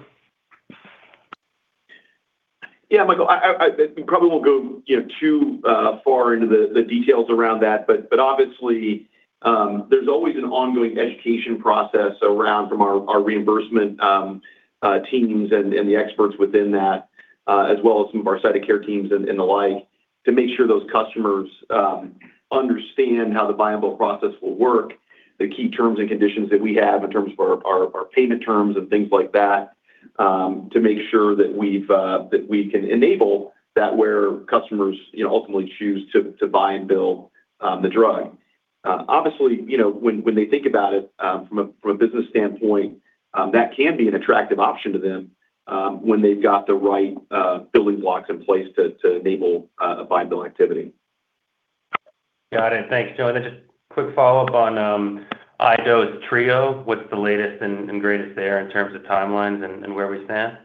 Yeah, Michael, I probably won't go, you know, too far into the details around that. But obviously, there's always an ongoing education process around from our reimbursement teams and the experts within that, as well as some of our site of care teams and the like, to make sure those customers understand how the buy and bill process will work, the key terms and conditions that we have in terms of our payment terms and things like that, to make sure that we've that we can enable that where customers, you know, ultimately choose to buy and bill the drug. Obviously, you know, when they think about it, from a business standpoint, that can be an attractive option to them, when they've got the right building blocks in place to enable a buy and bill activity. Got it. Thanks, Joe. Then just quick follow-up on iDose TRIO. What's the latest and greatest there in terms of timelines and where we stand?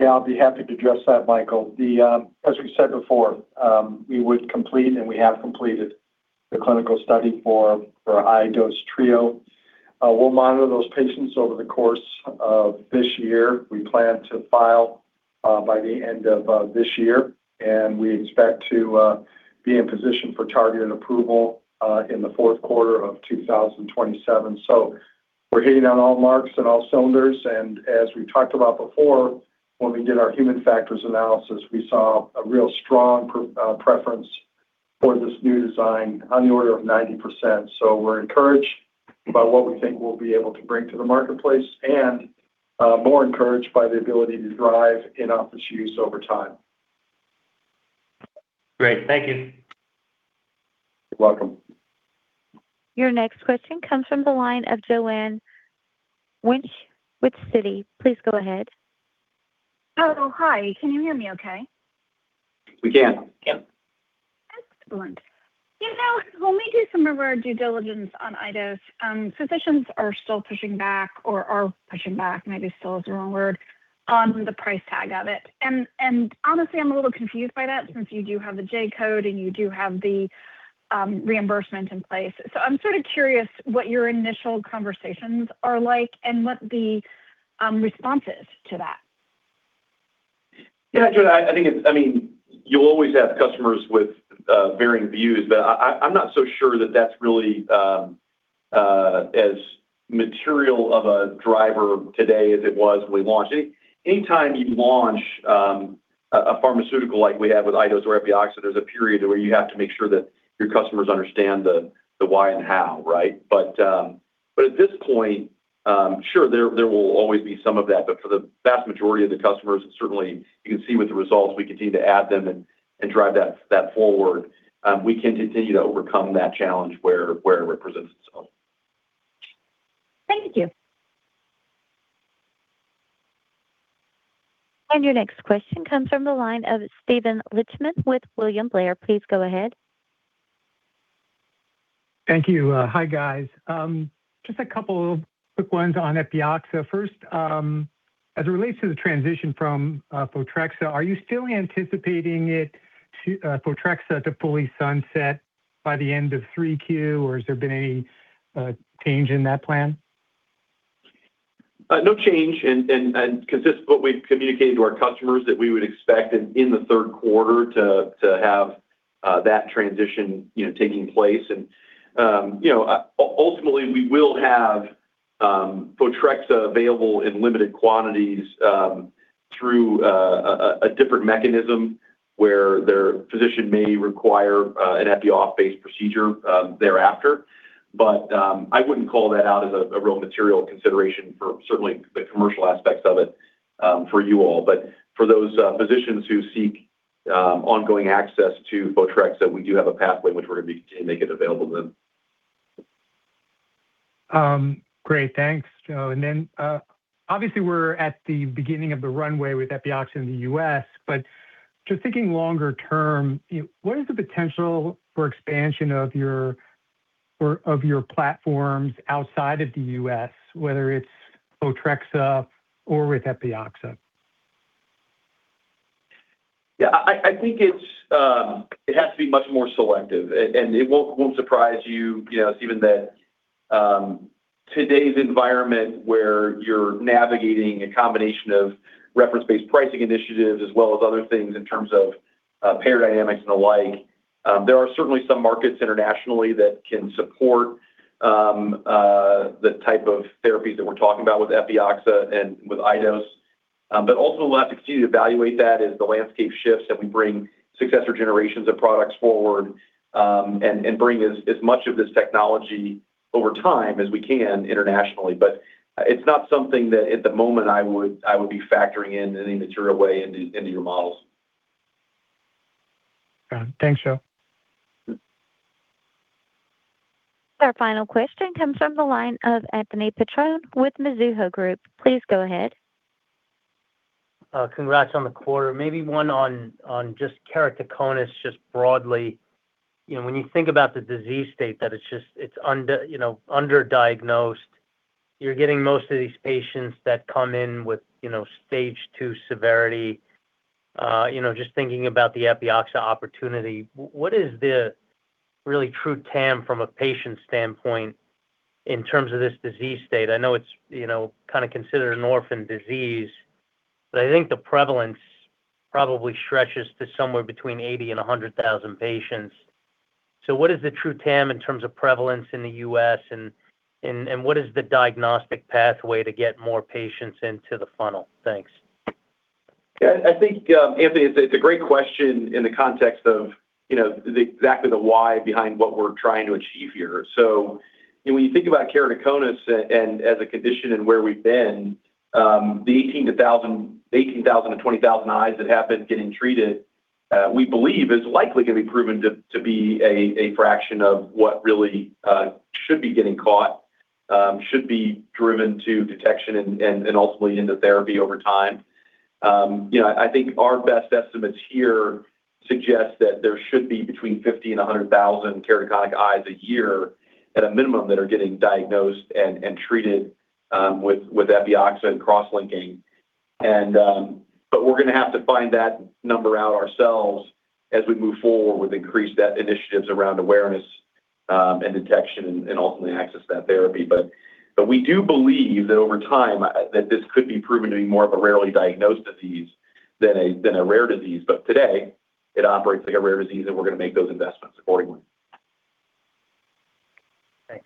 I'll be happy to address that, Michael. As we said before, we would complete, and we have completed the clinical study for iDose TRIO. We'll monitor those patients over the course of this year. We plan to file by the end of this year. We expect to be in position for targeted approval in the fourth quarter of 2027. We're hitting on all marks and all cylinders. As we talked about before, when we did our human factors analysis, we saw a real strong preference for this new design on the order of 90%. We're encouraged by what we think we'll be able to bring to the marketplace and more encouraged by the ability to drive in-office use over time. Great. Thank you. You're welcome. Your next question comes from the line of Joanne Wuensch with Citi. Please go ahead. Oh, hi. Can you hear me okay? We can. Excellent. You know, when we do some of our due diligence on iDose, physicians are still pushing back or are pushing back, maybe still is the wrong word, on the price tag of it. Honestly, I'm a little confused by that since you do have the J-code and you do have the reimbursement in place. I'm sort of curious what your initial conversations are like and what the response is to that. Joanne, I think it's, I mean, you always have customers with varying views, I'm not so sure that that's really as material of a driver today as it was when we launched. Anytime you launch a pharmaceutical like we have with iDose or Epioxa, there's a period where you have to make sure that your customers understand the why and how, right? At this point, sure, there will always be some of that. For the vast majority of the customers, certainly you can see with the results, we continue to add them and drive that forward. We can continue to overcome that challenge where it represents itself. Thank you. Your next question comes from the line of Steven Lichtman with William Blair. Please go ahead. Thank you. Hi, guys. Just a couple of quick ones on Epioxa. First, as it relates to the transition from Photrexa, are you still anticipating it to Photrexa to fully sunset by the end of 3Q, or has there been any change in that plan? No change. Consistent with what we've communicated to our customers that we would expect in the third quarter to have that transition, you know, taking place. You know, ultimately, we will have Photrexa available in limited quantities through a different mechanism where their physician may require an Epi-on-based procedure thereafter. I wouldn't call that out as a real material consideration for certainly the commercial aspects of it for you all. For those physicians who seek ongoing access to Photrexa, that we do have a pathway which we're gonna be continuing to make it available to them. Great. Thanks, Joe. Obviously, we're at the beginning of the runway with Epioxa in the U.S., but just thinking longer term, you know, what is the potential for expansion of your platforms outside of the U.S., whether it's Photrexa or with Epioxa? Yeah, I think it's, it has to be much more selective. It won't surprise you know, Steven, that today's environment where you're navigating a combination of reference-based pricing initiatives as well as other things in terms of payer dynamics and the like, there are certainly some markets internationally that can support the type of therapies that we're talking about with Epioxa and with iDose. But also we'll have to continue to evaluate that as the landscape shifts, that we bring successor generations of products forward, and bring as much of this technology over time as we can internationally. It's not something that at the moment I would be factoring in any material way into your models. Thanks, Joe. Our final question comes from the line of Anthony Petrone with Mizuho Group. Please go ahead. Congrats on the quarter. Maybe one on just keratoconus just broadly. You know, when you think about the disease state that it's, you know, underdiagnosed. You're getting most of these patients that come in with, you know, Stage 2 severity. You know, just thinking about the Epioxa opportunity, what is the really true TAM from a patient standpoint in terms of this disease state? I know it's, you know, kinda considered an orphan disease, but I think the prevalence probably stretches to somewhere between 80,000 and 100,000 patients. What is the true TAM in terms of prevalence in the U.S. and what is the diagnostic pathway to get more patients into the funnel? Thanks. Yeah. I think, Anthony, it's a great question in the context of, you know, the exactly the why behind what we're trying to achieve here. When you think about keratoconus and as a condition and where we've been, the 18,000-20,000 eyes that have been getting treated, we believe is likely gonna be proven to be a fraction of what really should be getting caught, should be driven to detection and ultimately into therapy over time. You know, I think our best estimates here suggest that there should be between 50,000 and 100,000 keratoconic eyes a year at a minimum that are getting diagnosed and treated with Epioxa and cross-linking. We're gonna have to find that number out ourselves as we move forward with increased initiatives around awareness, and detection and ultimately access that therapy. We do believe that over time, that this could be proven to be more of a rarely diagnosed disease than a rare disease. Today, it operates like a rare disease, and we're gonna make those investments accordingly. Thanks.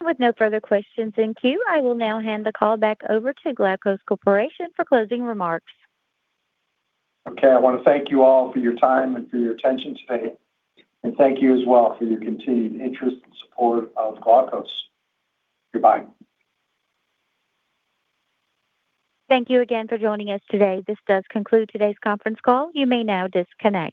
With no further questions in queue, I will now hand the call back over to Glaukos Corporation for closing remarks. Okay. I wanna thank you all for your time and for your attention today, and thank you as well for your continued interest and support of Glaukos. Goodbye. Thank you again for joining us today. This does conclude today's conference call. You may now disconnect.